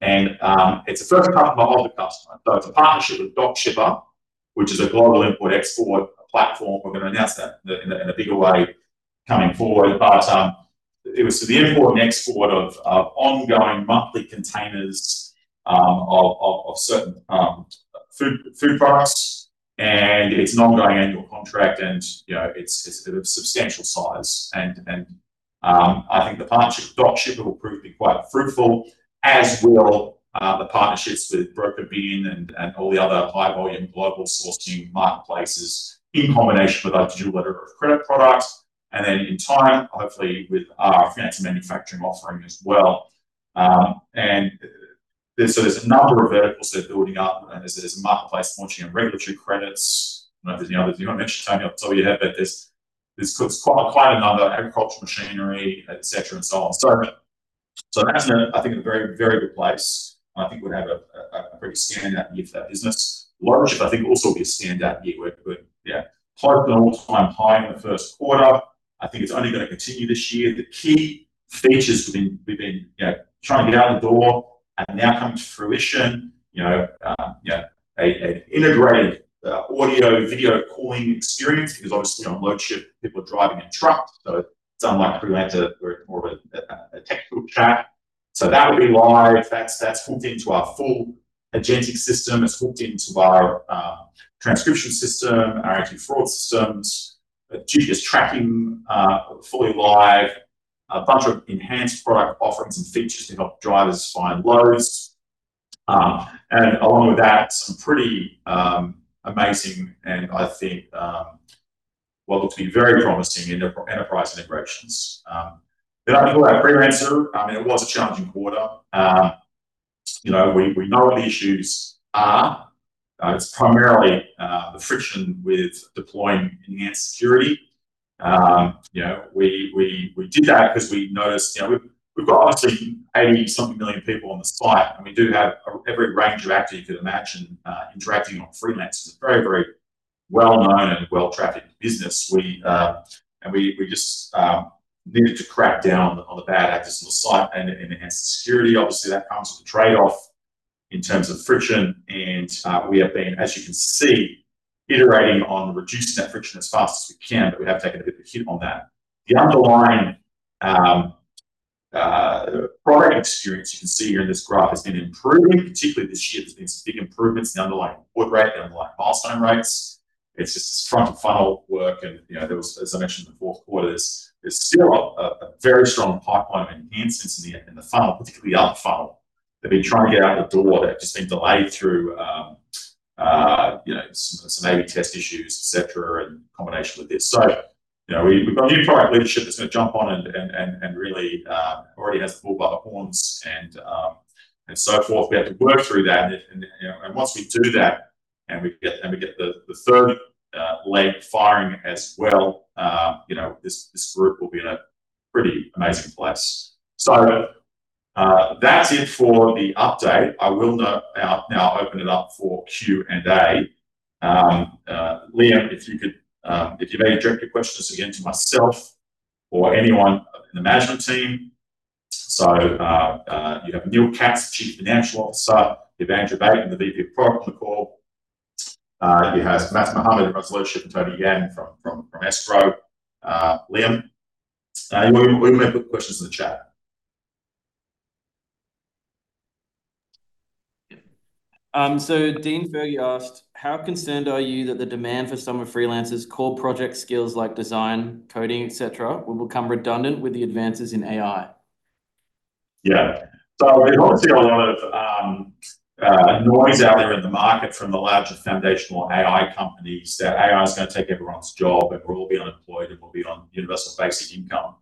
and. <audio distortion> It's a partnership with DocShipper, which is a global import/export platform. We're going to announce that in a bigger way going forward. It was for the import and export of ongoing monthly containers of certain food products, and it's an ongoing annual contract, and it's of substantial size. I think the partnership with DocShipper will prove to be quite fruitful, as will the partnerships with BrokerBin and all the other high volume global sourcing marketplaces in combination with our digital letter of credit product, and then in time, hopefully, with our financial manufacturing offering as well. There's a number of verticals they're building up and there's a marketplace launching in regulatory credits. I don't know if there's any others you want to mention, Tony. I'll tell you that there's quite a number, agricultural machinery, et cetera, and so on. The management, I think, are in a very good place, and I think we'd have a pretty standout year for that business. Loadshift, I think, will also be a standout year. We've hit an all-time high in the first quarter. I think it's only going to continue this year. The key features we've been trying to get out the door have now come to fruition, an integrated audio-video calling experience, because obviously on Loadshift, people are driving a truck, so it's unlike Creator where it's more of a textbook chat. That'll be live. That's hooked into our full agentic system. It's hooked into our transcription system, our anti-fraud systems. GPS tracking, fully live. A bunch of enhanced product offerings and features to help drivers find loads. Along with that, some pretty amazing, and I think, what looks to be very promising enterprise integrations. On to Freelancer, it was a challenging quarter. We know what the issues are. It's primarily the friction with deploying enhanced security. We did that because we noticed, we've got obviously 80-something million people on the site, and we do have every range of actor you could imagine interacting on Freelancer. It's a very well-known and well-trafficked business. We just needed to crack down on the bad actors on the site and enhance the security. Obviously, that comes with a trade-off in terms of friction, and we have been, as you can see, iterating on reducing that friction as fast as we can, but we have taken a bit of a hit on that. The underlying product experience you can see here in this graph has been improving, particularly this year. There's been some big improvements in the underlying put rate and underlying milestone rates. It's just front of funnel work and there was, as I mentioned, in the fourth quarter, there's still a very strong pipeline of enhancements in the funnel, particularly the upper funnel. They've been trying to get out the door. They've just been delayed through some QA test issues, et cetera, and combination with this. We've got new product leadership that's going to jump on and really already has the bull by the horns and so forth. We have to work through that, and once we do that and we get the third leg firing as well, this group will be in a pretty amazing place. That's it for the update. I will now open it up for Q&A. Liam, if you may direct your questions again to myself or anyone in the management team. You have Neil Katz, Chief Financial Officer, you have Andrew Bateman, the VP of Product on the call. You have Mas Mohammad from Escrow, and Tony Yang from Escrow. Liam, we may put questions in the chat. Dean Fergie asked: How concerned are you that the demand for some of Freelancer's core project skills like design, coding, et cetera, will become redundant with the advances in AI? Yeah. We've obviously got a lot of noise out there in the market from the larger foundational AI companies that AI is going to take everyone's job and we'll all be unemployed, and we'll be on universal basic income.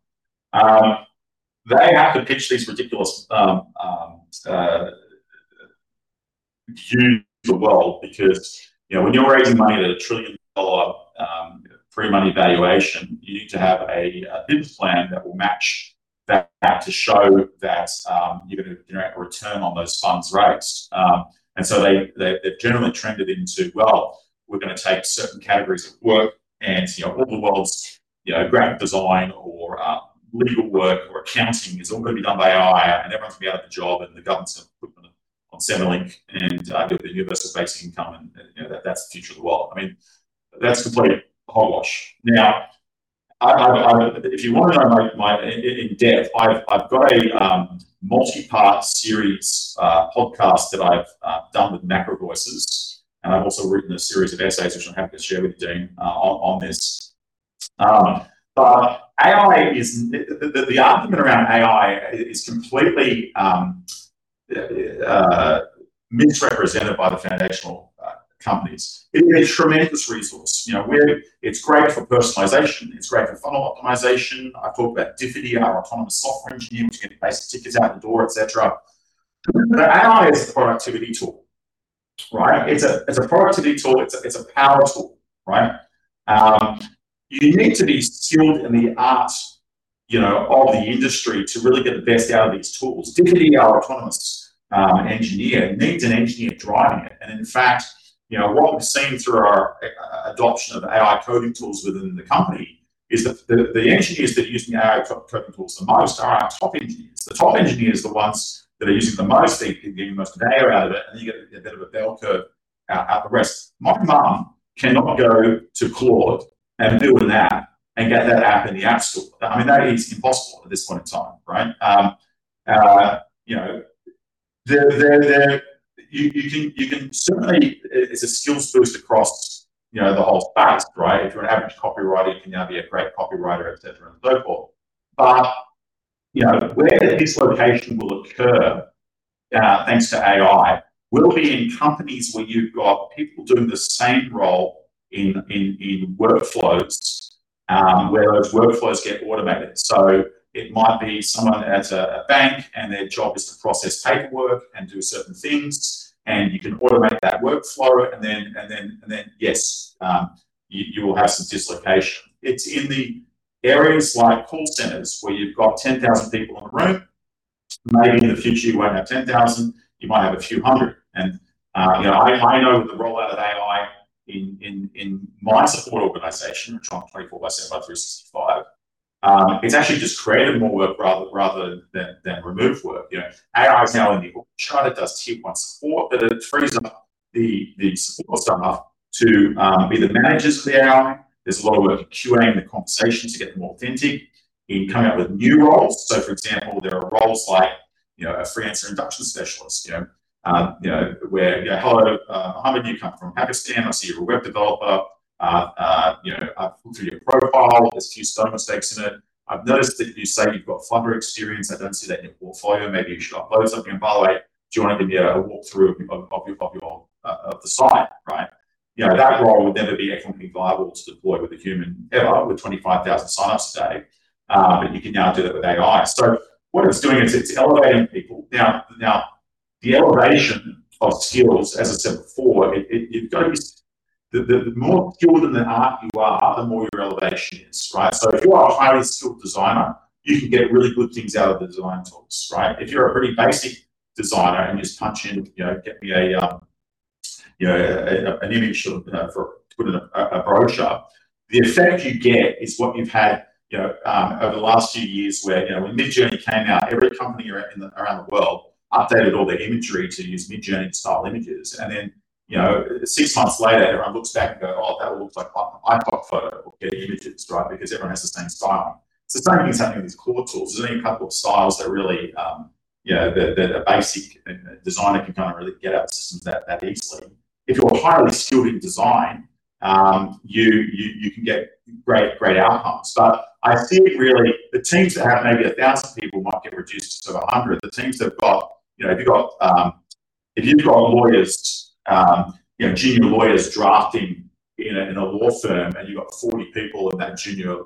They have to pitch these ridiculous views of the world because when you're raising money at a trillion-dollar pre-money valuation, you need to have a biz plan that will match that, to show that you're going to generate a return on those funds raised. They've generally trended into, well, we're going to take certain categories of work and all the world's graphic design or legal work or accounting is all going to be done by AI, and everyone's going to be out of a job, and the government's going to put them on Centrelink and give them universal basic income, and that's the future of the world. That's complete hogwash. Now, if you want to know my in-depth, I've got a multi-part series podcast that I've done with MacroVoices, and I've also written a series of essays, which I'm happy to share with you, Dean, on this. The argument around AI is completely misrepresented by the foundational companies. It is a tremendous resource. It's great for personalization. It's great for funnel optimization. I talk about Diffuty, our autonomous software engineer, which can place the tickets out the door, et cetera. AI is a productivity tool, right? It's a productivity tool. It's a power tool, right? You need to be skilled in the art of the industry to really get the best out of these tools. Diffuty, our autonomous engineer, needs an engineer driving it. In fact, what we've seen through our adoption of AI coding tools within the company is that the engineers that are using the AI coding tools the most are our top engineers. The top engineers are the ones that are using it the most. They're getting the most value out of it, and then you get a bit of a bell curve out the rest. My mom cannot go to Claude and build an app and get that app in the App Store. That is impossible at this point in time, right? Certainly, it's a skills boost across the whole basket, right? If you're an average copywriter, you can now be a great copywriter, et cetera, and so forth. Where the dislocation will occur, thanks to AI, will be in companies where you've got people doing the same role in workflows, where those workflows get automated. It might be someone at a bank, and their job is to process paperwork and do certain things, and you can automate that workflow. Yes, you will have some dislocation. It's in the areas like call centers where you've got 10,000 people in a room. Maybe in the future, you won't have 10,000. You might have a few hundred. I know the rollout of AI in my support organization, which is 24/7, 365, it's actually just created more work rather than remove work. AI is now in the chat. It does tier one support, but it frees up the support staff to be the managers for the AI. There's a lot of work in QA-ing the conversation to get them authentic and in coming up with new roles. For example, there are roles like a freelancer induction specialist, where, "Hello, Mohammed, you come from Pakistan. I see you're a web developer. I've looked through your profile. There's a few spelling mistakes in it. I've noticed that you say you've got Flutter experience. I don't see that in your portfolio. Maybe you should upload something. And by the way, do you want to give me a walkthrough of the site? Right? That role would never be economically viable to deploy with a human ever with 25,000 sign-ups a day, but you can now do that with AI. What it's doing is it's elevating people. Now, the elevation of skills, as I said before, the more skilled in the art you are, the more your elevation is, right? If you are a highly skilled designer, you can get really good things out of the design tools, right? If you're a pretty basic designer and just punch in, "Get me an image to put in a brochure," the effect you get is what you've had over the last few years, where when Midjourney came out, every company around the world updated all their imagery to use Midjourney-style images. Six months later, everyone looks back and goes, "Oh, that looks like an iPod photo." Or Getty Images, right? Because everyone has the same style. It's only something with these core tools. There's only a couple of styles that a basic designer can really get out of the systems that easily. If you're highly skilled in design, you can get great outcomes. I think really the teams that have maybe 1,000 people might get reduced to 100. If you've got junior lawyers drafting in a law firm and you've got 40 people in that junior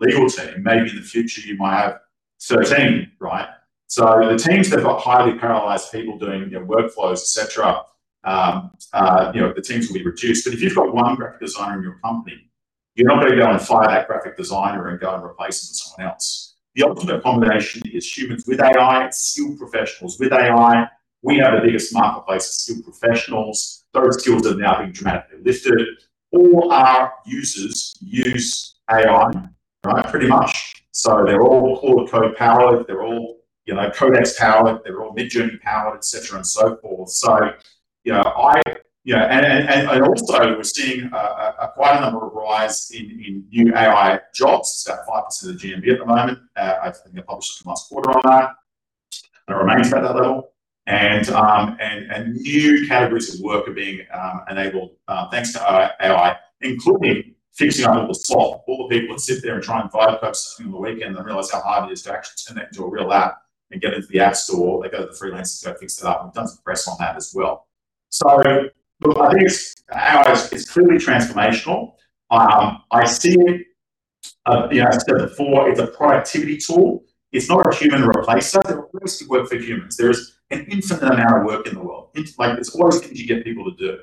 legal team, maybe in the future you might have 13, right? The teams that have got highly paralyzed people doing workflows, et cetera, the teams will be reduced. If you've got one graphic designer in your company, you're not going to go and fire that graphic designer and go and replace them with someone else. The ultimate combination is humans with AI. It's skilled professionals with AI. We have the biggest marketplace of skilled professionals. Those skills have now been dramatically lifted. All our users use AI, right? Pretty much. They're all Claude Code powered. They're all Codex powered. They're all Midjourney powered, et cetera, and so forth. Also, we're seeing quite a number of rise in new AI jobs, it's about 5% of GMV at the moment. I think it published last quarter on that. It remains about that level. New categories of work are being enabled, thanks to AI, including fixing all of the slot. All the people that sit there and try and buy the perks on the weekend, then realize how hard it is to actually turn that into a real app and get it into the App Store. They go to the freelancers to go fix it up. We've done some press on that as well. Look, I think AI is clearly transformational. I see, as I said before, it's a productivity tool. It's not a human replacer. There will always be work for humans. There's an infinite amount of work in the world. There's always things you get people to do.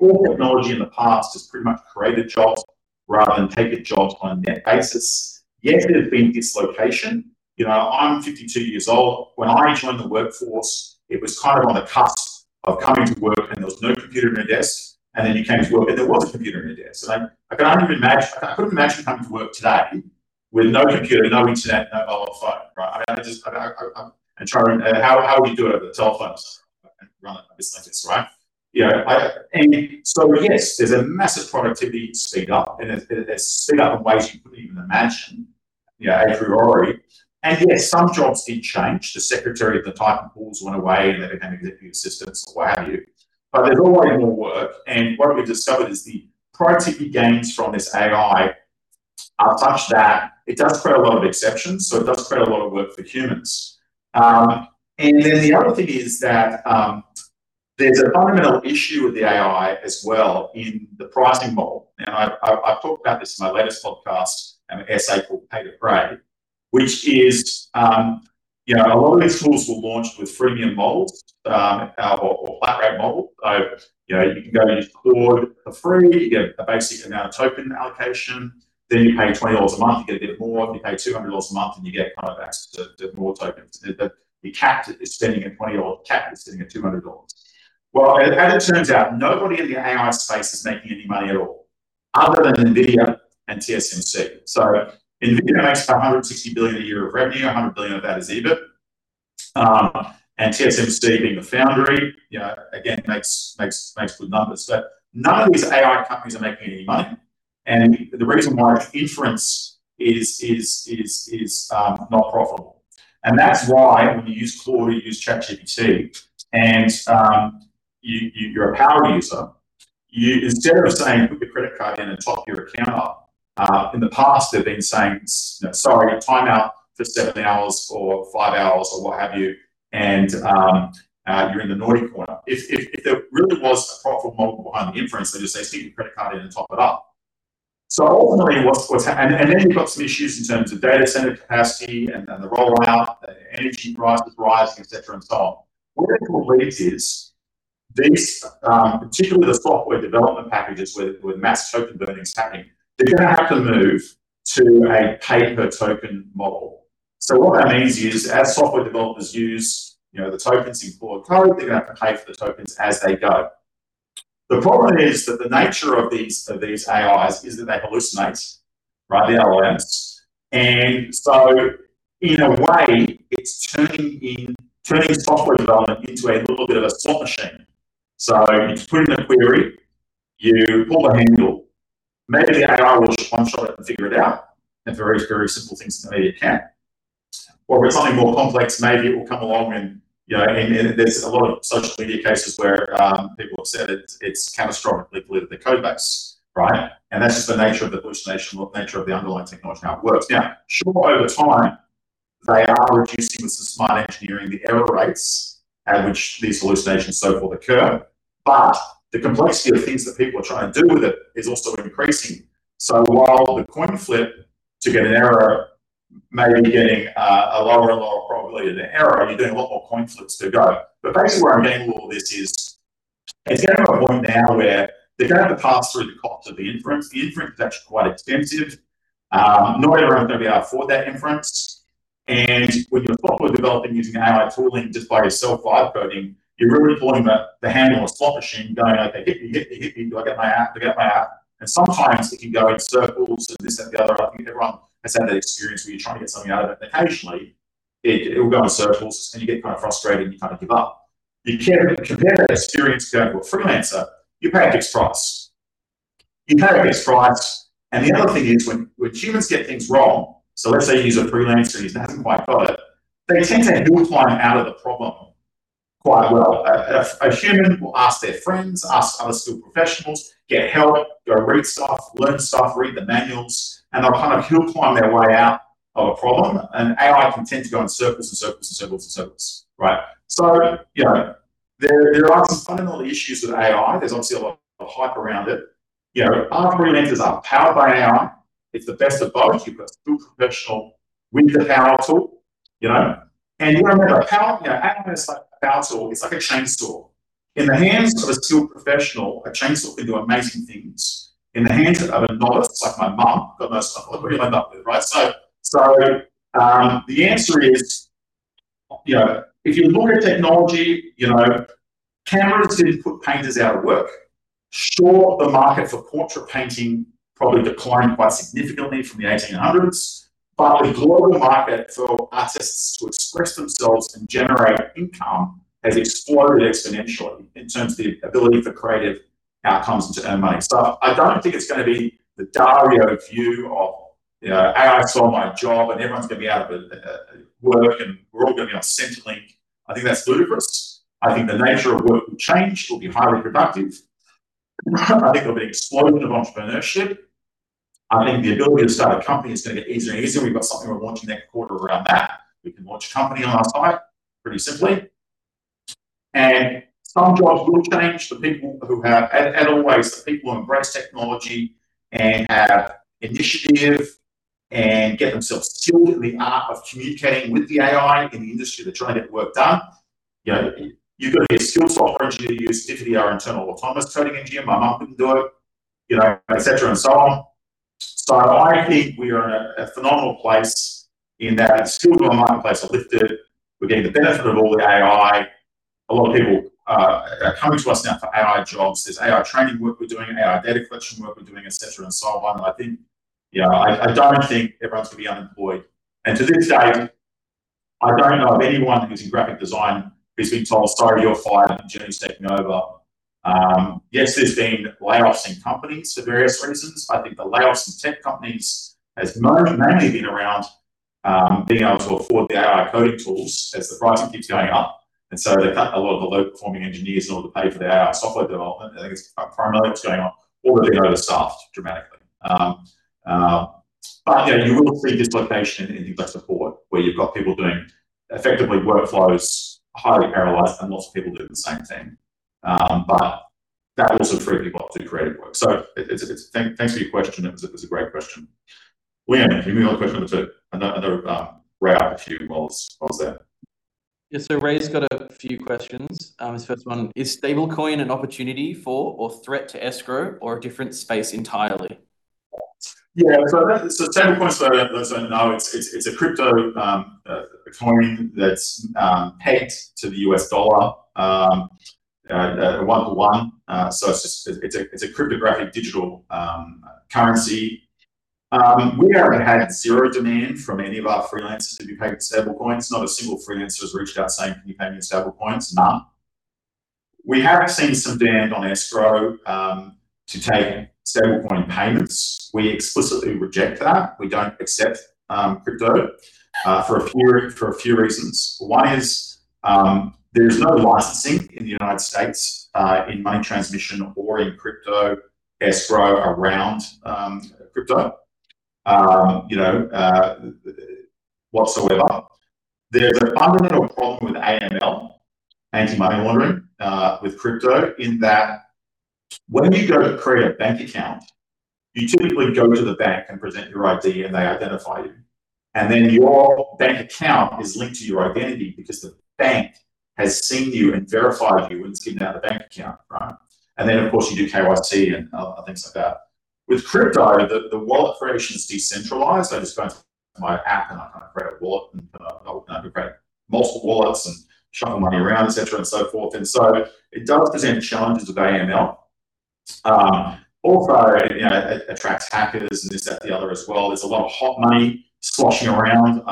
All technology in the past has pretty much created jobs rather than taken jobs on net basis. Yes, there have been dislocations. I'm 52 years old. When I joined the workforce, it was on the cusp of coming to work, and there was no computer on your desk, and then you came to work, and there was a computer on your desk. I couldn't imagine coming to work today with no computer, no internet, no mobile phone, right? Try to remember, how would we do it over the telephones and run a business like this, right? Yes, there's a massive productivity speed up, and there's speed up in ways you couldn't even imagine, a priori. Yes, some jobs did change. The secretary at the time, typing pools went away, and they became executive assistants or what have you. There's always more work, and what we've discovered is the productivity gains from this AI are such that it does create a lot of expansion. It does create a lot of work for humans. The other thing is that there's a fundamental issue with the AI as well in the pricing model. Now, I've talked about this in my latest podcast, an essay called "Pay to Pray," which is a lot of these tools were launched with freemium models or flat rate model, so you can go use Claude for free. You get a basic amount of token allocation, then you pay $20 a month, you get a bit more. If you pay $200 a month, then you get access to more tokens. But your cap is sitting at $20 or cap is sitting at $200. Well, as it turns out, nobody in the AI space is making any money at all other than NVIDIA and TSMC. NVIDIA makes $160 billion a year of revenue, $100 billion of that is EBIT. TSMC being the foundry, again, makes good numbers. None of these AI companies are making any money, and the reason why inference is not profitable. That's why when you use Claude or you use ChatGPT, and you're a power user, instead of saying, "Put your credit card in and top your account up," in the past, they've been saying, "Sorry, timeout for seven hours or five hours," or what have you, and you're in the naughty corner. If there really was a profitable model behind the inference, they'd just say, "Stick your credit card in and top it up." Then you've got some issues in terms of data center capacity and the rollout, the energy prices rising, et cetera, and so on. What it all leads is this, particularly the software development packages where mass token burning is happening, they're going to have to move to a pay per token model. What that means is as software developers use the tokens in core code, they're going to have to pay for the tokens as they go. The problem is that the nature of these AIs is that they hallucinate, right? They are liars. In a way, it's turning software development into a little bit of a slot machine. You put in a query, you pull the handle, maybe the AI will one-shot it and figure it out, and for very, very simple things, maybe it can. If it's something more complex, maybe it will come along. There's a lot of social media cases where people have said it's catastrophically polluted the code base, right? That's just the nature of the hallucination or nature of the underlying technology and how it works. Now, sure, over time, they are reducing this with smart engineering, the error rates at which these hallucinations, so forth, occur. The complexity of things that people are trying to do with it is also increasing. While the coin flip to get an error may be getting a lower and lower probability of the error, you're doing a lot more coin flips to go. Basically where I'm aiming all this is, it's getting to a point now where they're going to have to pass through the cost of the inference. The inference is actually quite expensive. Not everyone's going to be able to afford that inference, and when you're software developing using AI tooling, just by yourself, vibe coding, you're really pulling the handle on a slot machine, going, "Okay, hit me, hit me, hit me. Do I get my app? I get my app." Sometimes it can go in circles and this, that, and the other. I think everyone has had that experience where you're trying to get something out of it, and occasionally it will go in circles, and you get kind of frustrated, and you kind of give up. You compare that experience to going to a Freelancer. You pay a fixed price. You pay a fixed price, and the other thing is when humans get things wrong, so let's say you use a Freelancer and he hasn't quite got it, they tend to hill climb out of the problem quite well. A human will ask their friends, ask other skilled professionals, get help, go read stuff, learn stuff, read the manuals, and they'll kind of hill climb their way out of a problem. An AI can tend to go in circles and circles and circles and circles, right? There are some fundamental issues with AI. There's obviously a lot of hype around it. Our freelancers are powered by AI. It's the best of both. You've got a skilled professional with a power tool. You remember a power tool, it's like a chainsaw. In the hands of a skilled professional, a chainsaw can do amazing things. In the hands of a novice, like my mom, God rest her soul, look what you end up with, right? The answer is, if you look at technology, cameras didn't put painters out of work. Sure, the market for portrait painting probably declined quite significantly from the 1800s, but the global market for artists to express themselves and generate income has exploded exponentially in terms of the ability for creative outcomes and to earn money. I don't think it's going to be the Dario view of AI stole my job and everyone's going to be out of work and we're all going to be on Centrelink. I think that's ludicrous. I think the nature of work will change. We'll be highly productive. I think there'll be an explosion of entrepreneurship. I think the ability to start a company is going to get easier and easier. We've got something we're launching next quarter around that. We can launch a company on our site pretty simply. Some jobs will change. The people who embrace technology and have initiative and get themselves skilled in the art of communicating with the AI in the industry, they're trying to get work done. You've got to be a skilled software engineer to use Diffuty's internal autonomous trading engine. My mom couldn't do it, et cetera and so on. I think we are in a phenomenal place in that a skilled marketplace are lifted. We're getting the benefit of all the AI. A lot of people are coming to us now for AI jobs. There's AI training work we're doing and AI data collection work we're doing, et cetera and so on. I don't think everyone's going to be unemployed. To this date, I don't know of anyone who's in graphic design who's been told, "Sorry, you're fired. A machine's taking over." Yes, there's been layoffs in companies for various reasons. I think the layoffs in tech companies has more mainly been around being able to afford the AI coding tools as the pricing keeps going up, and so they cut a lot of the low-performing engineers in order to pay for the AI software development. I think it's primarily what's going on, or they're going to soften dramatically. Yeah, you will see dislocation in things like support, where you've got people doing effectively workflows, highly parallelized, and lots of people doing the same thing. That will also free people up to do creative work. Thanks for your question. It was a great question. Liam, can you move on to the question? I know Ray had a few while I was there. Yeah. Ray's got a few questions. His first one, is Stablecoin an opportunity for or threat to escrow or a different space entirely? Yeah. Stablecoin, for those that don't know, it's a crypto coin that's pegged to the U.S. dollar, 1:1. It's a cryptographic digital currency. We haven't had zero demand from any of our freelancers to be paid in Stablecoins. Not a single freelancer has reached out saying, "Can you pay me in Stablecoins?" None. We have seen some demand on Escrow to take Stablecoin payments. We explicitly reject that. We don't accept crypto for a few reasons. One is there's no licensing in the United States in money transmission or in crypto escrow around crypto whatsoever. There's a fundamental problem with AML, anti-money laundering, with crypto in that when you go to create a bank account, you typically go to the bank and present your ID, and they identify you, and then your bank account is linked to your identity because the bank has seen you and verified you and it's given out a bank account. Then, of course, you do KYC and things like that. With crypto, the wallet creation is decentralized. I just go into my app and I create a wallet, and I create multiple wallets and shuffle money around, et cetera and so forth. It does present challenges with AML. Also, it attracts hackers and this, that, the other as well. There's a lot of hot money sloshing around.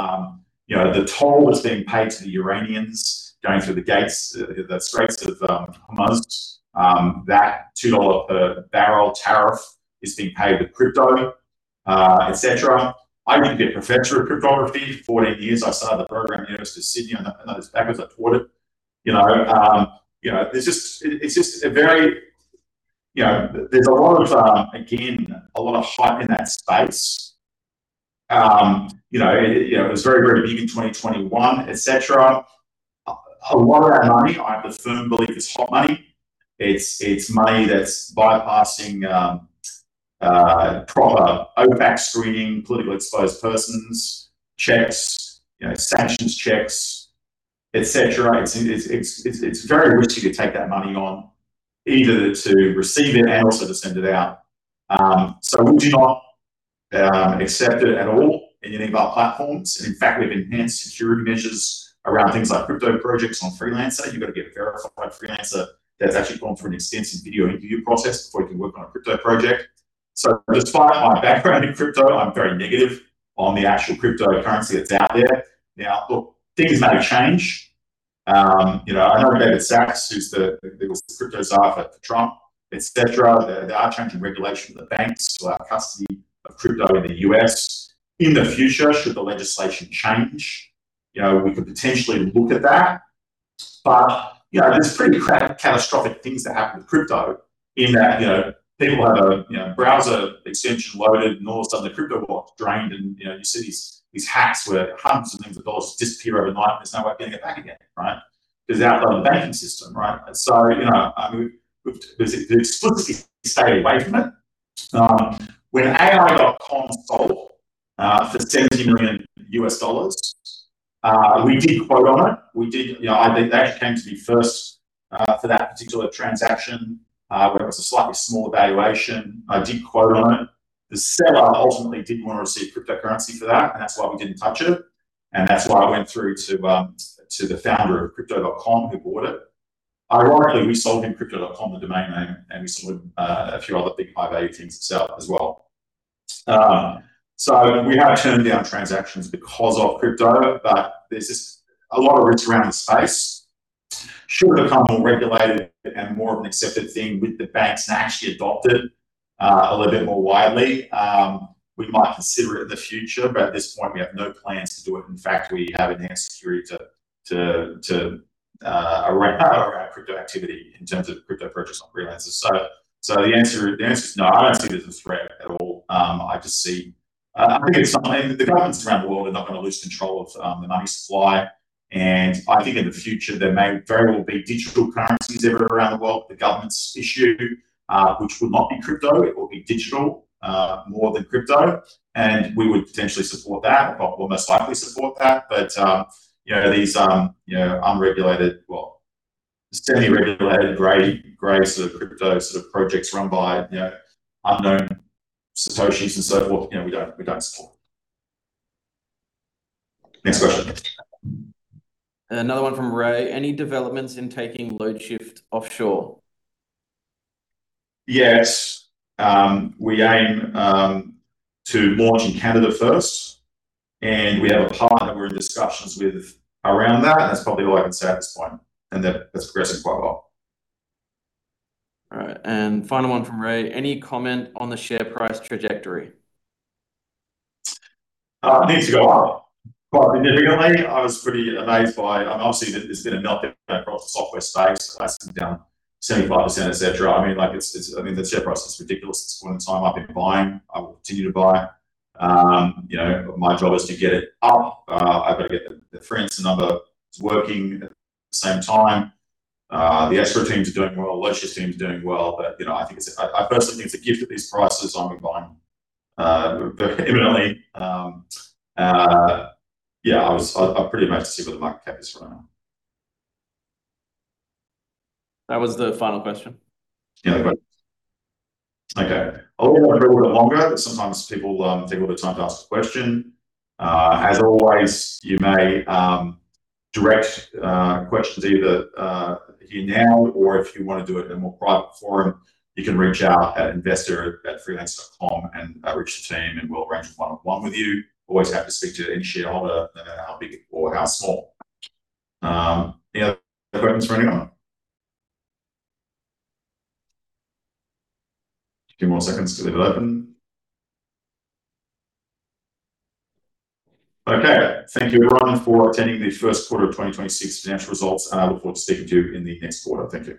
The toll that's being paid to the Iranians going through the gates, the Straits of Hormuz, that $2 a barrel tariff is being paid with crypto, et cetera. I did a bit of research into cryptography. For 14 years, I started the program at the University of Sydney, and I was back as I taught it. There's a lot of, again, a lot of hype in that space. It was very, very big in 2021, et cetera. A lot of that money, I have a firm belief it's hot money. It's money that's bypassing proper OFAC screening, politically exposed persons checks, sanctions checks, et cetera. It's very risky to take that money on, either to receive it and also to send it out. We do not accept it at all in any of our platforms, and in fact, we have enhanced security measures around things like crypto projects on Freelancer. You've got to be a verified freelancer that's actually gone through an extensive video interview process before you can work on a crypto project. Just by my background in crypto, I'm very negative on the actual cryptocurrency that's out there. Now, look, things may change. I know David Sacks, who's the crypto czar for Trump, et cetera. They are changing regulation for the banks who have custody of crypto in the U.S. In the future, should the legislation change, we could potentially look at that. There's pretty catastrophic things that happen with crypto in that people have a browser extension loaded, and all of a sudden, their crypto wallet's drained, and you see these hacks where hundreds of millions of dollars disappear overnight, and there's no way of getting it back again. It's out of the banking system. We've explicitly stayed away from it. When AI.com sold for $70 million, we did quote on it. They came to me first for that particular transaction, where it was a slightly smaller valuation. I did quote on it. The seller ultimately didn't want to receive cryptocurrency for that, and that's why we didn't touch it. That's why I went through to the founder of Crypto.com, who bought it. Ironically, we sold him crypto.com, the domain name, and we sold him a few other big high-value things itself as well. We have turned down transactions because of crypto, but there's just a lot of risks around the space. Should it become more regulated and more of an accepted thing with the banks and actually adopted a little bit more widely, we might consider it in the future, but at this point, we have no plans to do it. In fact, we have enhanced security to our crypto activity in terms of crypto purchase on Freelancer. The answer is no, I don't see it as a threat at all. I think the governments around the world are not going to lose control of the money supply, and I think in the future, there may very well be digital currencies everywhere around the world that governments issue, which would not be crypto. It will be digital, more than crypto. We would potentially support that, or most likely support that. These unregulated, well, semi-regulated gray crypto sort of projects run by unknown Satoshis and so forth, we don't support. Next question. Another one from Ray. Any developments in taking Loadshift offshore? Yes. We aim to launch in Canada first, and we have a partner we're in discussions with around that, and that's probably all I can say at this point, and that it's progressing quite well. All right. Final one from Ray. Any comment on the share price trajectory? It needs to go up, quite significantly. I was pretty amazed. Obviously, there's been a meltdown across the software space, prices are down 75%, et cetera. I mean, the share price is ridiculous at this point in time. I've been buying, I will continue to buy. My job is to get it up. I've got to get the freelance number working at the same time. The Escrow teams are doing well, Loadshift team's doing well. I think I personally think the gift of these prices, I'll be buying vehemently. Yeah, I'll pretty much just see where the market takes from now. That was the final question. Any other questions? Okay. I would wait a little bit longer, but sometimes people take a little time to ask the question. As always, you may direct questions either here now or if you want to do it in a more private forum, you can reach out at investor@freelancer.com and reach the team and we'll arrange a one-on-one with you. Always happy to speak to any shareholder, no matter how big or how small. Any other questions from anyone? A few more seconds to leave it open. Okay. Thank you everyone for attending the first quarter of 2026 financial results, and I look forward to speaking to you in the next quarter. Thank you.